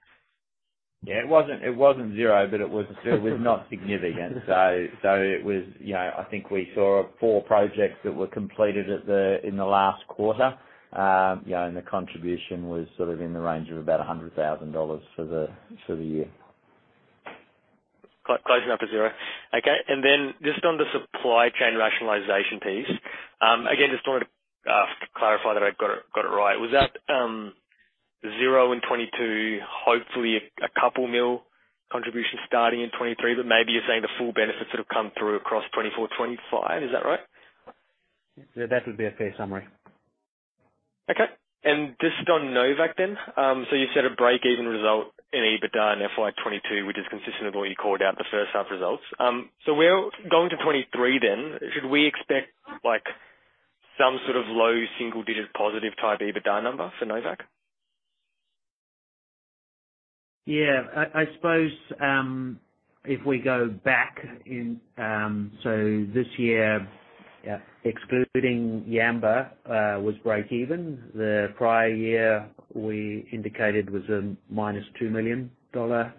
Yeah. It wasn't zero, but it was not significant. I think we saw 4 projects that were completed in the last quarter, and the contribution was sort of in the range of about 100,000 dollars for the year. Closing up at zero. Okay. Then just on the supply chain rationalization piece, again, just wanted to clarify that I got it right. Was that zero in 2022, hopefully a couple million contribution starting in 2023, but maybe you're saying the full benefits sort of come through across 2024, 2025? Is that right? That would be a fair summary. Okay. Just on Novacq then, you've said a break-even result in EBITDA in FY 2022, which is consistent with what you called out, the first half results. Going to 2023 then, should we expect some sort of low single-digit positive type EBITDA number for Novacq? Yeah. I suppose if we go back in so this year, excluding Yamba, was break-even. The prior year we indicated was a minus 2 million dollar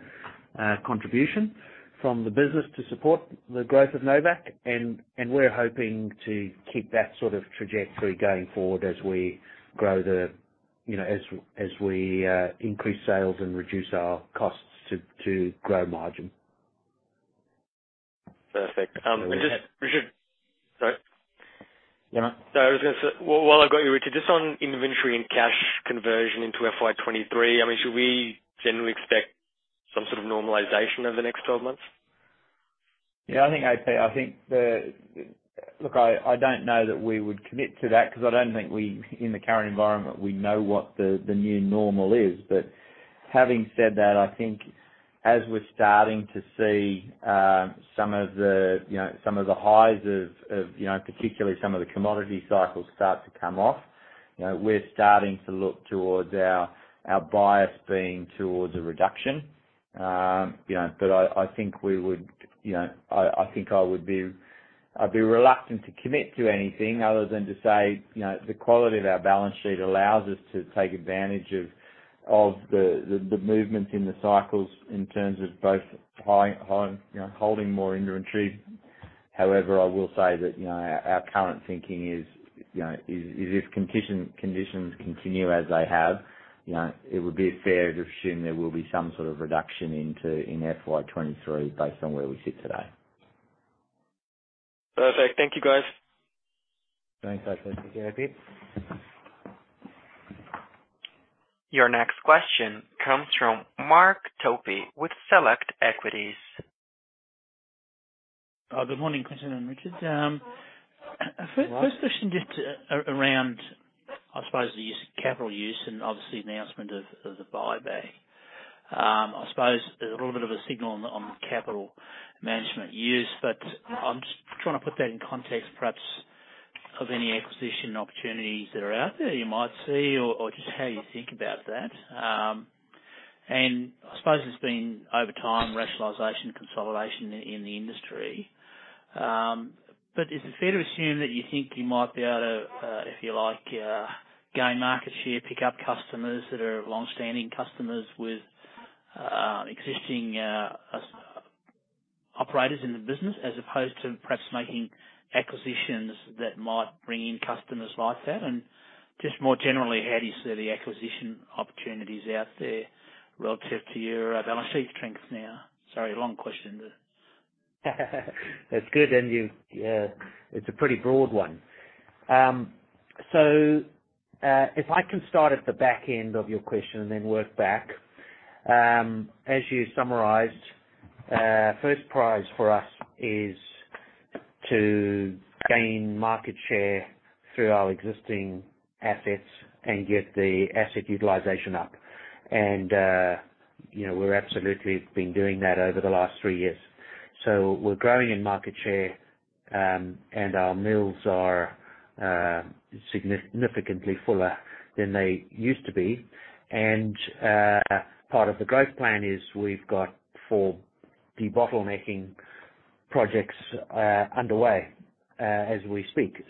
contribution from the business to support the growth of Novacq, and we're hoping to keep that sort of trajectory going forward as we increase sales and reduce our costs to grow margin. Perfect. Just Richard, sorry? Yeah, mate. I was going to say while I've got you, Richard, just on inventory and cash conversion into FY 2023, I mean, should we generally expect some sort of normalization over the next 12 months? Yeah. I think, look, I don't know that we would commit to that because I don't think we, in the current environment, we know what the new normal is. Having said that, I think as we're starting to see some of the highs of particularly some of the commodity cycles start to come off, we're starting to look towards our bias being towards a reduction. I think I would be reluctant to commit to anything other than to say the quality of our balance sheet allows us to take advantage of the movements in the cycles in terms of both holding more inventory. However, I will say that our current thinking is if conditions continue as they have, it would be fair to assume there will be some sort of reduction in FY 2023 based on where we sit today. Perfect. Thank you, guys. Thanks, Apurv. Take care, Pip. Your next question comes from Mark Topy with Select Equities. Oh, good morning, Quinton and Richard. First question just around, I suppose, the capital use and obviously the announcement of the buyback. I suppose there's a little bit of a signal on capital management use, but I'm just trying to put that in context, perhaps, of any acquisition opportunities that are out there you might see or just how you think about that. I suppose there's been, over time, rationalization, consolidation in the industry. Is it fair to assume that you think you might be able to, if you like, gain market share, pick up customers that are longstanding customers with existing operators in the business as opposed to perhaps making acquisitions that might bring in customers like that? Just more generally, how do you see the acquisition opportunities out there relative to your balance sheet strength now? Sorry, long question. That's good, and it's a pretty broad one. If I can start at the back end of your question and then work back. As you summarised, first prize for us is to gain market share through our existing assets and get the asset utilization up. We've absolutely been doing that over the last three years. We're growing in market share, and our mills are significantly fuller than they used to be. Part of the growth plan is we've got four debottlenecking projects underway as we speak.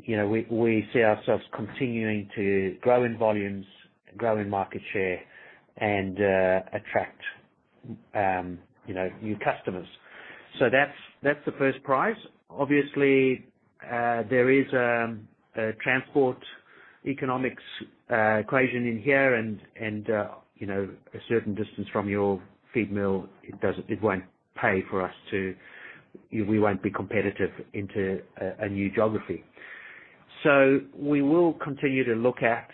We see ourselves continuing to grow in volumes, grow in market share, and attract new customers. That's the first prize. Obviously, there is a transport economics equation in here, and a certain distance from your feed mill, we won't be competitive into a new geography. We will continue to look at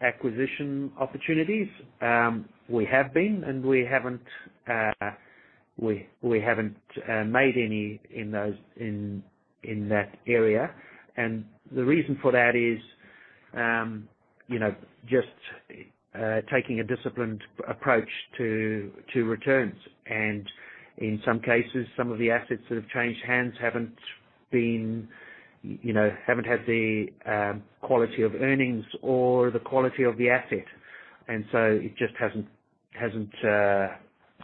acquisition opportunities. We have been, and we haven't made any in that area. The reason for that is just taking a disciplined approach to returns. In some cases, some of the assets that have changed hands haven't had the quality of earnings or the quality of the asset. It just hasn't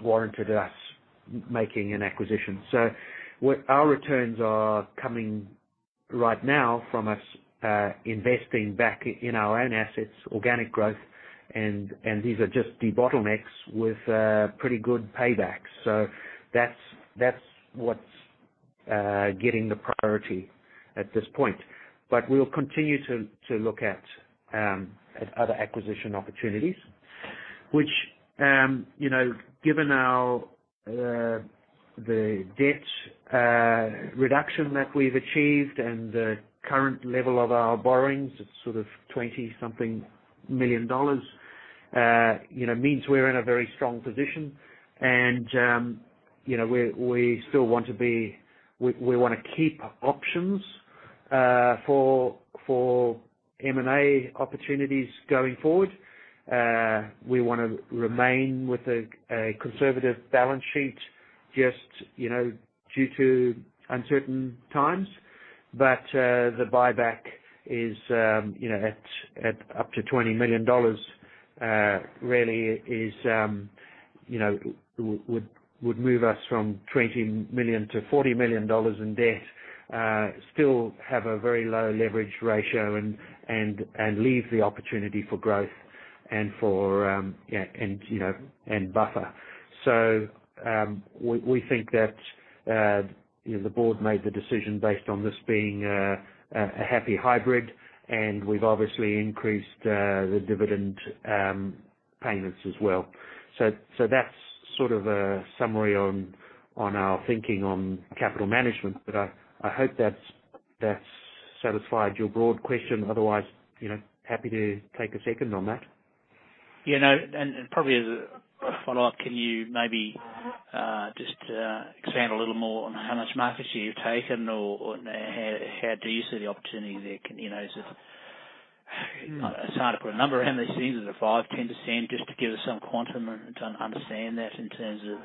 warranted us making an acquisition. Our returns are coming right now from us investing back in our own assets, organic growth, and these are just debottlenecks with pretty good paybacks. That's what's getting the priority at this point. We'll continue to look at other acquisition opportunities, which, given the debt reduction that we've achieved and the current level of our borrowings, it's sort of 20-something million dollars, means we're in a very strong position. We still want to keep options for M&A opportunities going forward. We want to remain with a conservative balance sheet just due to uncertain times. The buyback at up to AUD 20 million really would move us from 20 million-40 million dollars in debt, still have a very low leverage ratio, and leave the opportunity for growth and buffer. We think that the board made the decision based on this being a happy hybrid, and we've obviously increased the dividend payments as well. That's sort of a summary on our thinking on capital management. I hope that's satisfied your broad question. Otherwise, happy to take a second on that. Yeah. No. Probably as a follow-up, can you maybe just expand a little more on how much market share you've taken or how do you see the opportunity there? It's hard to put a number around these things. Is it a 5%-10%? Just to give us some quantum and understand that in terms of,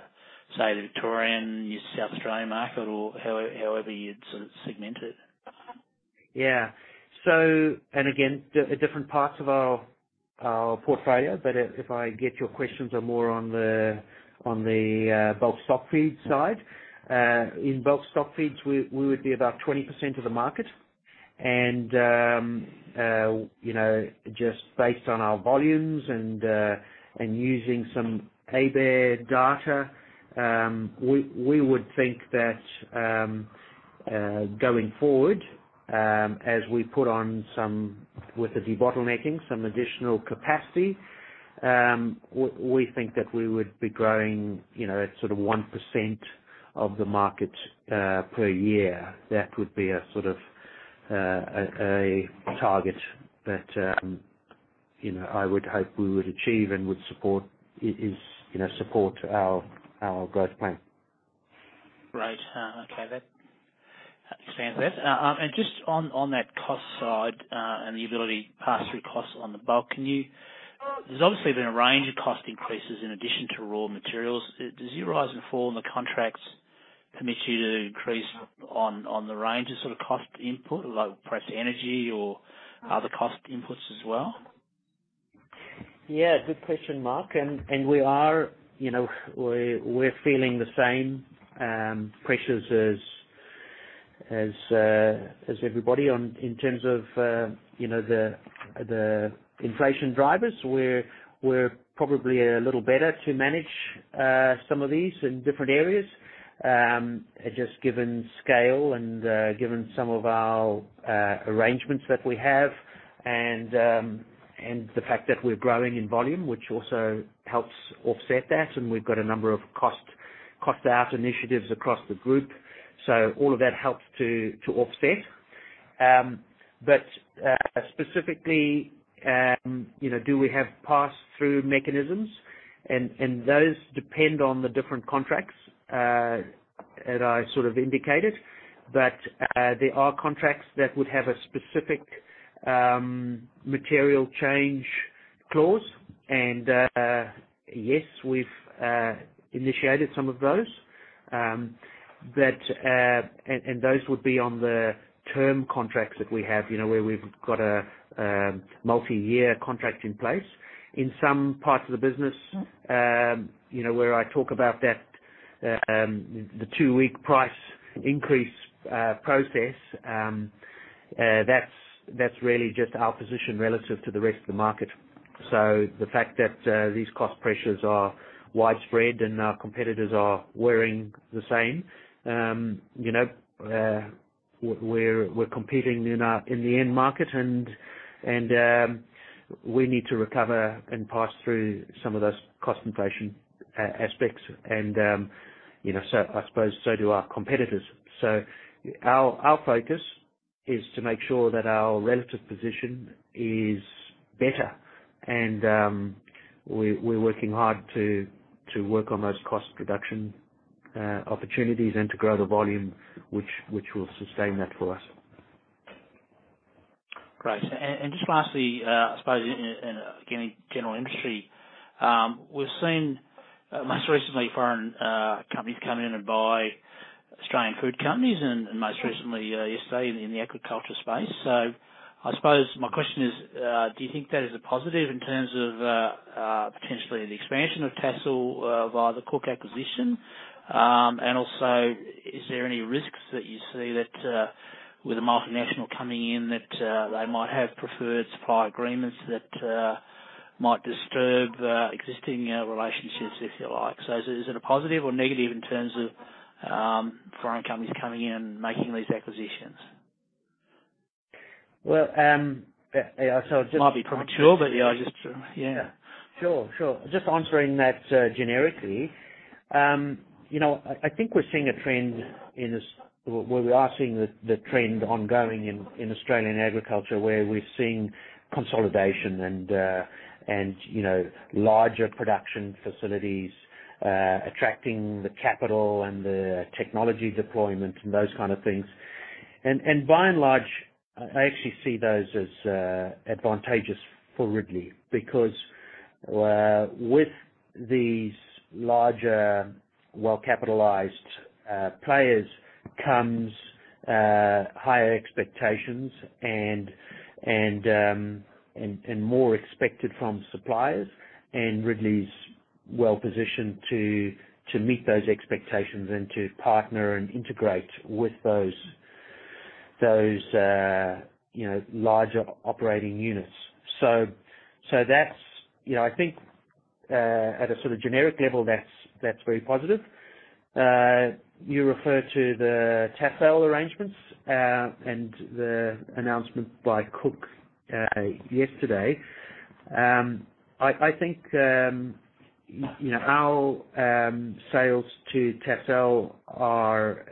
say, the Victorian, New South Wales market or however you'd sort of segment it. Yeah. Again, different parts of our portfolio, but if I get your questions are more on the bulk stock feed side. In bulk stock feeds, we would be about 20% of the market. Just based on our volumes and using some ABARES data, we would think that going forward, as we put on with the debottlenecking, some additional capacity, we think that we would be growing at sort of 1% of the market per year. That would be a sort of a target that I would hope we would achieve and would support our growth plan. Right. Okay. That expands that. Just on that cost side and the ability to pass through costs on the bulk, there's obviously been a range of cost increases in addition to raw materials. Does your rise and fall in the contracts permit you to increase on the range of sort of cost input, perhaps energy or other cost inputs as well? Yeah. Good question, Mark. We are. We're feeling the same pressures as everybody in terms of the inflation drivers. We're probably a little better to manage some of these in different areas just given scale and given some of our arrangements that we have and the fact that we're growing in volume, which also helps offset that. We've got a number of cost-out initiatives across the group. All of that helps to offset. Specifically, do we have pass-through mechanisms? Those depend on the different contracts that I sort of indicated. There are contracts that would have a specific material change clause. Yes, we've initiated some of those. Those would be on the term contracts that we have where we've got a multi-year contract in place. In some parts of the business where I talk about the two-week price increase process, that's really just our position relative to the rest of the market. The fact that these cost pressures are widespread and our competitors are bearing the same, we're competing in the end market, and we need to recover and pass through some of those cost inflation aspects. I suppose so do our competitors. Our focus is to make sure that our relative position is better. We're working hard to work on those cost reduction opportunities and to grow the volume, which will sustain that for us. Right. Just lastly, I suppose, and again, in general industry, we've seen most recently foreign companies come in and buy Australian food companies and most recently yesterday in the agriculture space. I suppose my question is, do you think that is a positive in terms of potentially the expansion of Tassal via the Cooke acquisition? Also, is there any risks that you see with a multinational coming in that they might have preferred supply agreements that might disturb existing relationships, if you like? Is it a positive or negative in terms of foreign companies coming in and making these acquisitions? Well, yeah. Might be premature, but yeah. Sure. Just answering that generically, I think we're seeing a trend where we are seeing the trend ongoing in Australian agriculture where we're seeing consolidation and larger production facilities attracting the capital and the technology deployment and those kind of things. By and large, I actually see those as advantageous for Ridley because with these larger well-capitalized players comes higher expectations and more expected from suppliers. Ridley's well-positioned to meet those expectations and to partner and integrate with those larger operating units. I think at a sort of generic level, that's very positive. You referred to the Tassal arrangements and the announcement by Cooke yesterday. I think our sales to Tassal are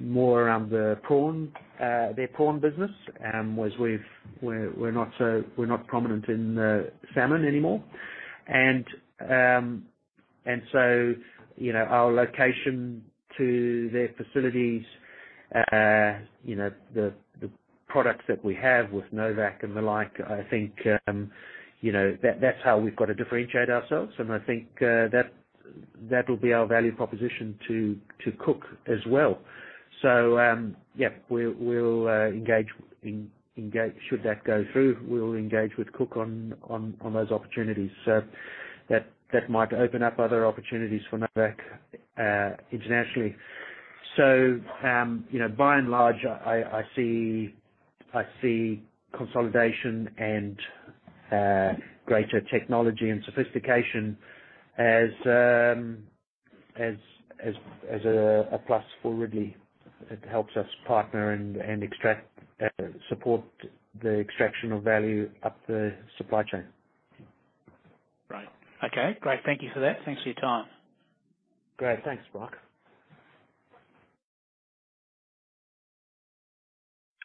more around their prawn business whereas we're not prominent in the salmon anymore. Our location to their facilities, the products that we have with Novacq and the like, I think that's how we've got to differentiate ourselves. I think that will be our value proposition to Cooke as well. Yeah, should that go through, we'll engage with Cooke on those opportunities. That might open up other opportunities for Novacq internationally. By and large, I see consolidation and greater technology and sophistication as a plus for Ridley. It helps us partner and support the extraction of value up the supply chain. Right. Okay. Great. Thank you for that. Thanks for your time. Great. Thanks, Mark.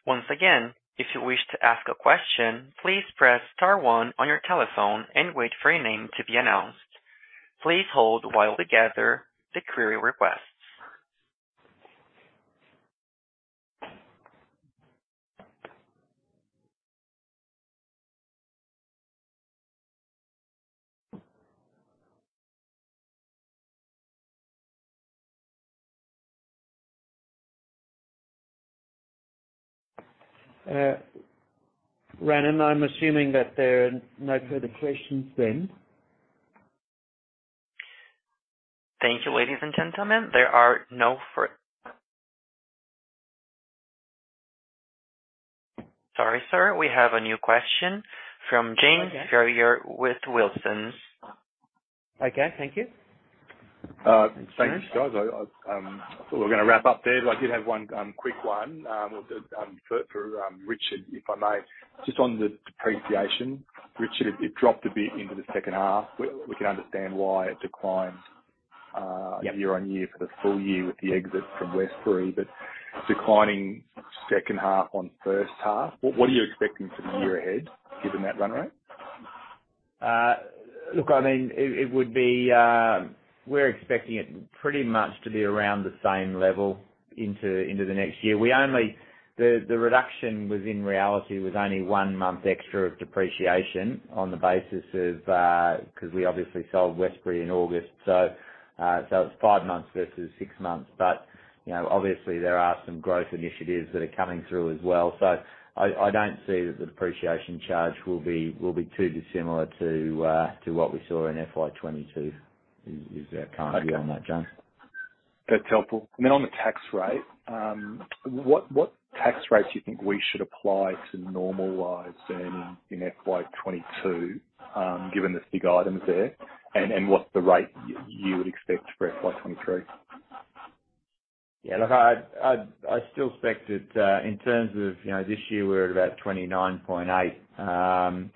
Once again, if you wish to ask a question, please press star one on your telephone and wait for your name to be announced. Please hold while we gather the query requests. Brandon, I'm assuming that there are no further questions then. Thank you, ladies and gentlemen. Sorry, sir. We have a new question from James. You're with Wilsons. Okay. Thank you. Thanks, guys. I thought we were going to wrap up there, but I did have one quick one for Richard, if I may, just on the depreciation. Richard, it dropped a bit into the second half. We can understand why it declined year-on-year for the full year with the exit from Westbury, but declining second half-on-first half, what are you expecting for the year ahead given that run rate? Look, I mean, we're expecting it pretty much to be around the same level into the next year. The reduction was, in reality, only one month extra of depreciation on the basis of because we obviously sold Westbury in August. It's five months versus six months. Obviously, there are some growth initiatives that are coming through as well. I don't see that the depreciation charge will be too dissimilar to what we saw in FY 2022. Is that kind of view on that, John? That's helpful. I mean, on the tax rate, what tax rates do you think we should apply to normalized earnings in FY 2022 given the big items there and what's the rate you would expect for FY 2023? Yeah. Look, I still expect it in terms of this year, we're at about 29.8%.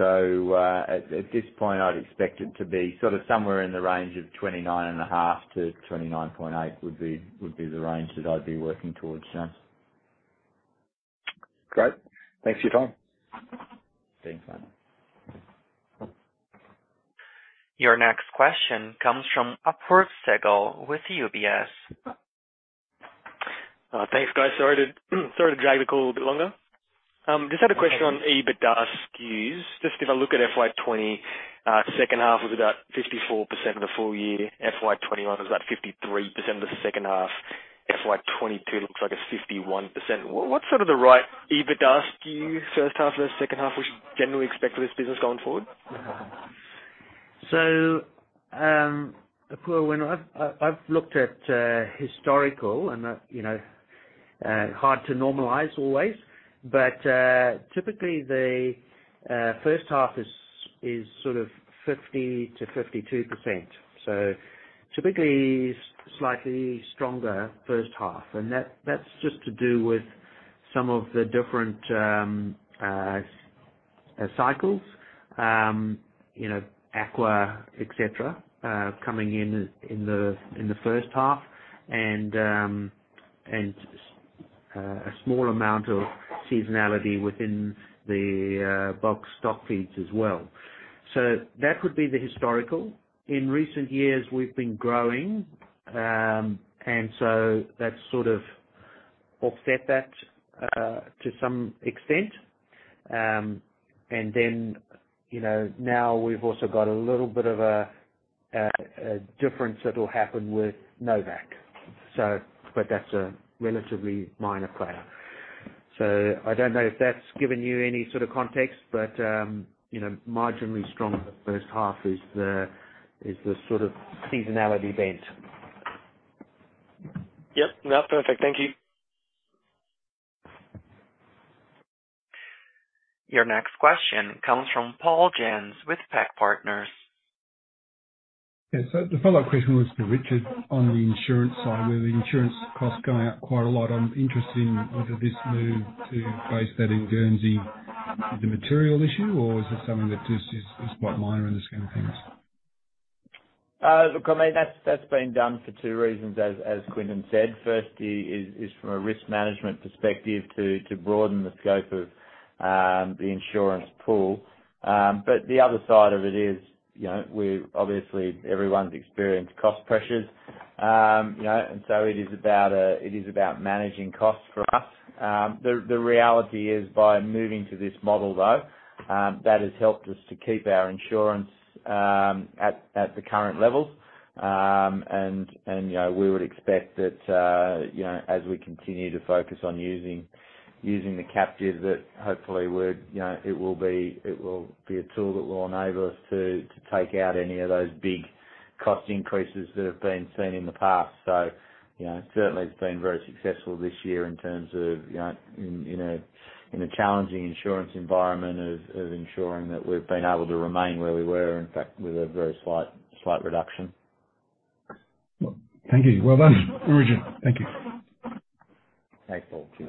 At this point, I'd expect it to be sort of somewhere in the range of 29.5%-29.8% that I'd be working towards, John. Great. Thanks for your time. Thanks, mate. Your next question comes from Apurv Segal with UBS. Thanks, guys. Sorry to drag the call a bit longer. Just had a question on EBITDA skew. Just if I look at FY 2020, second half was about 54% of the full year. FY 2021 was about 53% of the second half. FY 2022 looks like it's 51%. What's sort of the right EBITDA skew first half of the second half we should generally expect for this business going forward? I've looked at historical, and hard to normalize always. Typically, the first half is sort of 50%-52%. Typically, slightly stronger first half. That's just to do with some of the different cycles, Aqua, etc., coming in in the first half and a small amount of seasonality within the bulk stock feeds as well. That would be the historical. In recent years, we've been growing, and so that's sort of offset that to some extent. Then now we've also got a little bit of a difference that'll happen with Novacq, but that's a relatively minor player. I don't know if that's given you any sort of context, but marginally strong the first half is the sort of seasonality bent. Yep. No, perfect. Thank you. Your next question comes from Paul Jensz with PAC Partners. Yeah. The follow-up question was for Richard on the insurance side. Were the insurance costs going up quite a lot? I'm interested in whether this move to base that in Guernsey is a material issue, or is it something that is quite minor in this kind of things? Look, I mean, that's being done for two reasons, as Quinton said. First is from a risk management perspective to broaden the scope of the insurance pool. The other side of it is obviously, everyone's experienced cost pressures. It is about managing costs for us. The reality is by moving to this model, though, that has helped us to keep our insurance at the current levels. We would expect that as we continue to focus on using the captive that hopefully it will be a tool that will enable us to take out any of those big cost increases that have been seen in the past. Certainly, it's been very successful this year in terms of in a challenging insurance environment of ensuring that we've been able to remain where we were, in fact, with a very slight reduction. Thank you. Well done, Richard. Thank you. Thanks, Paul. Cheers.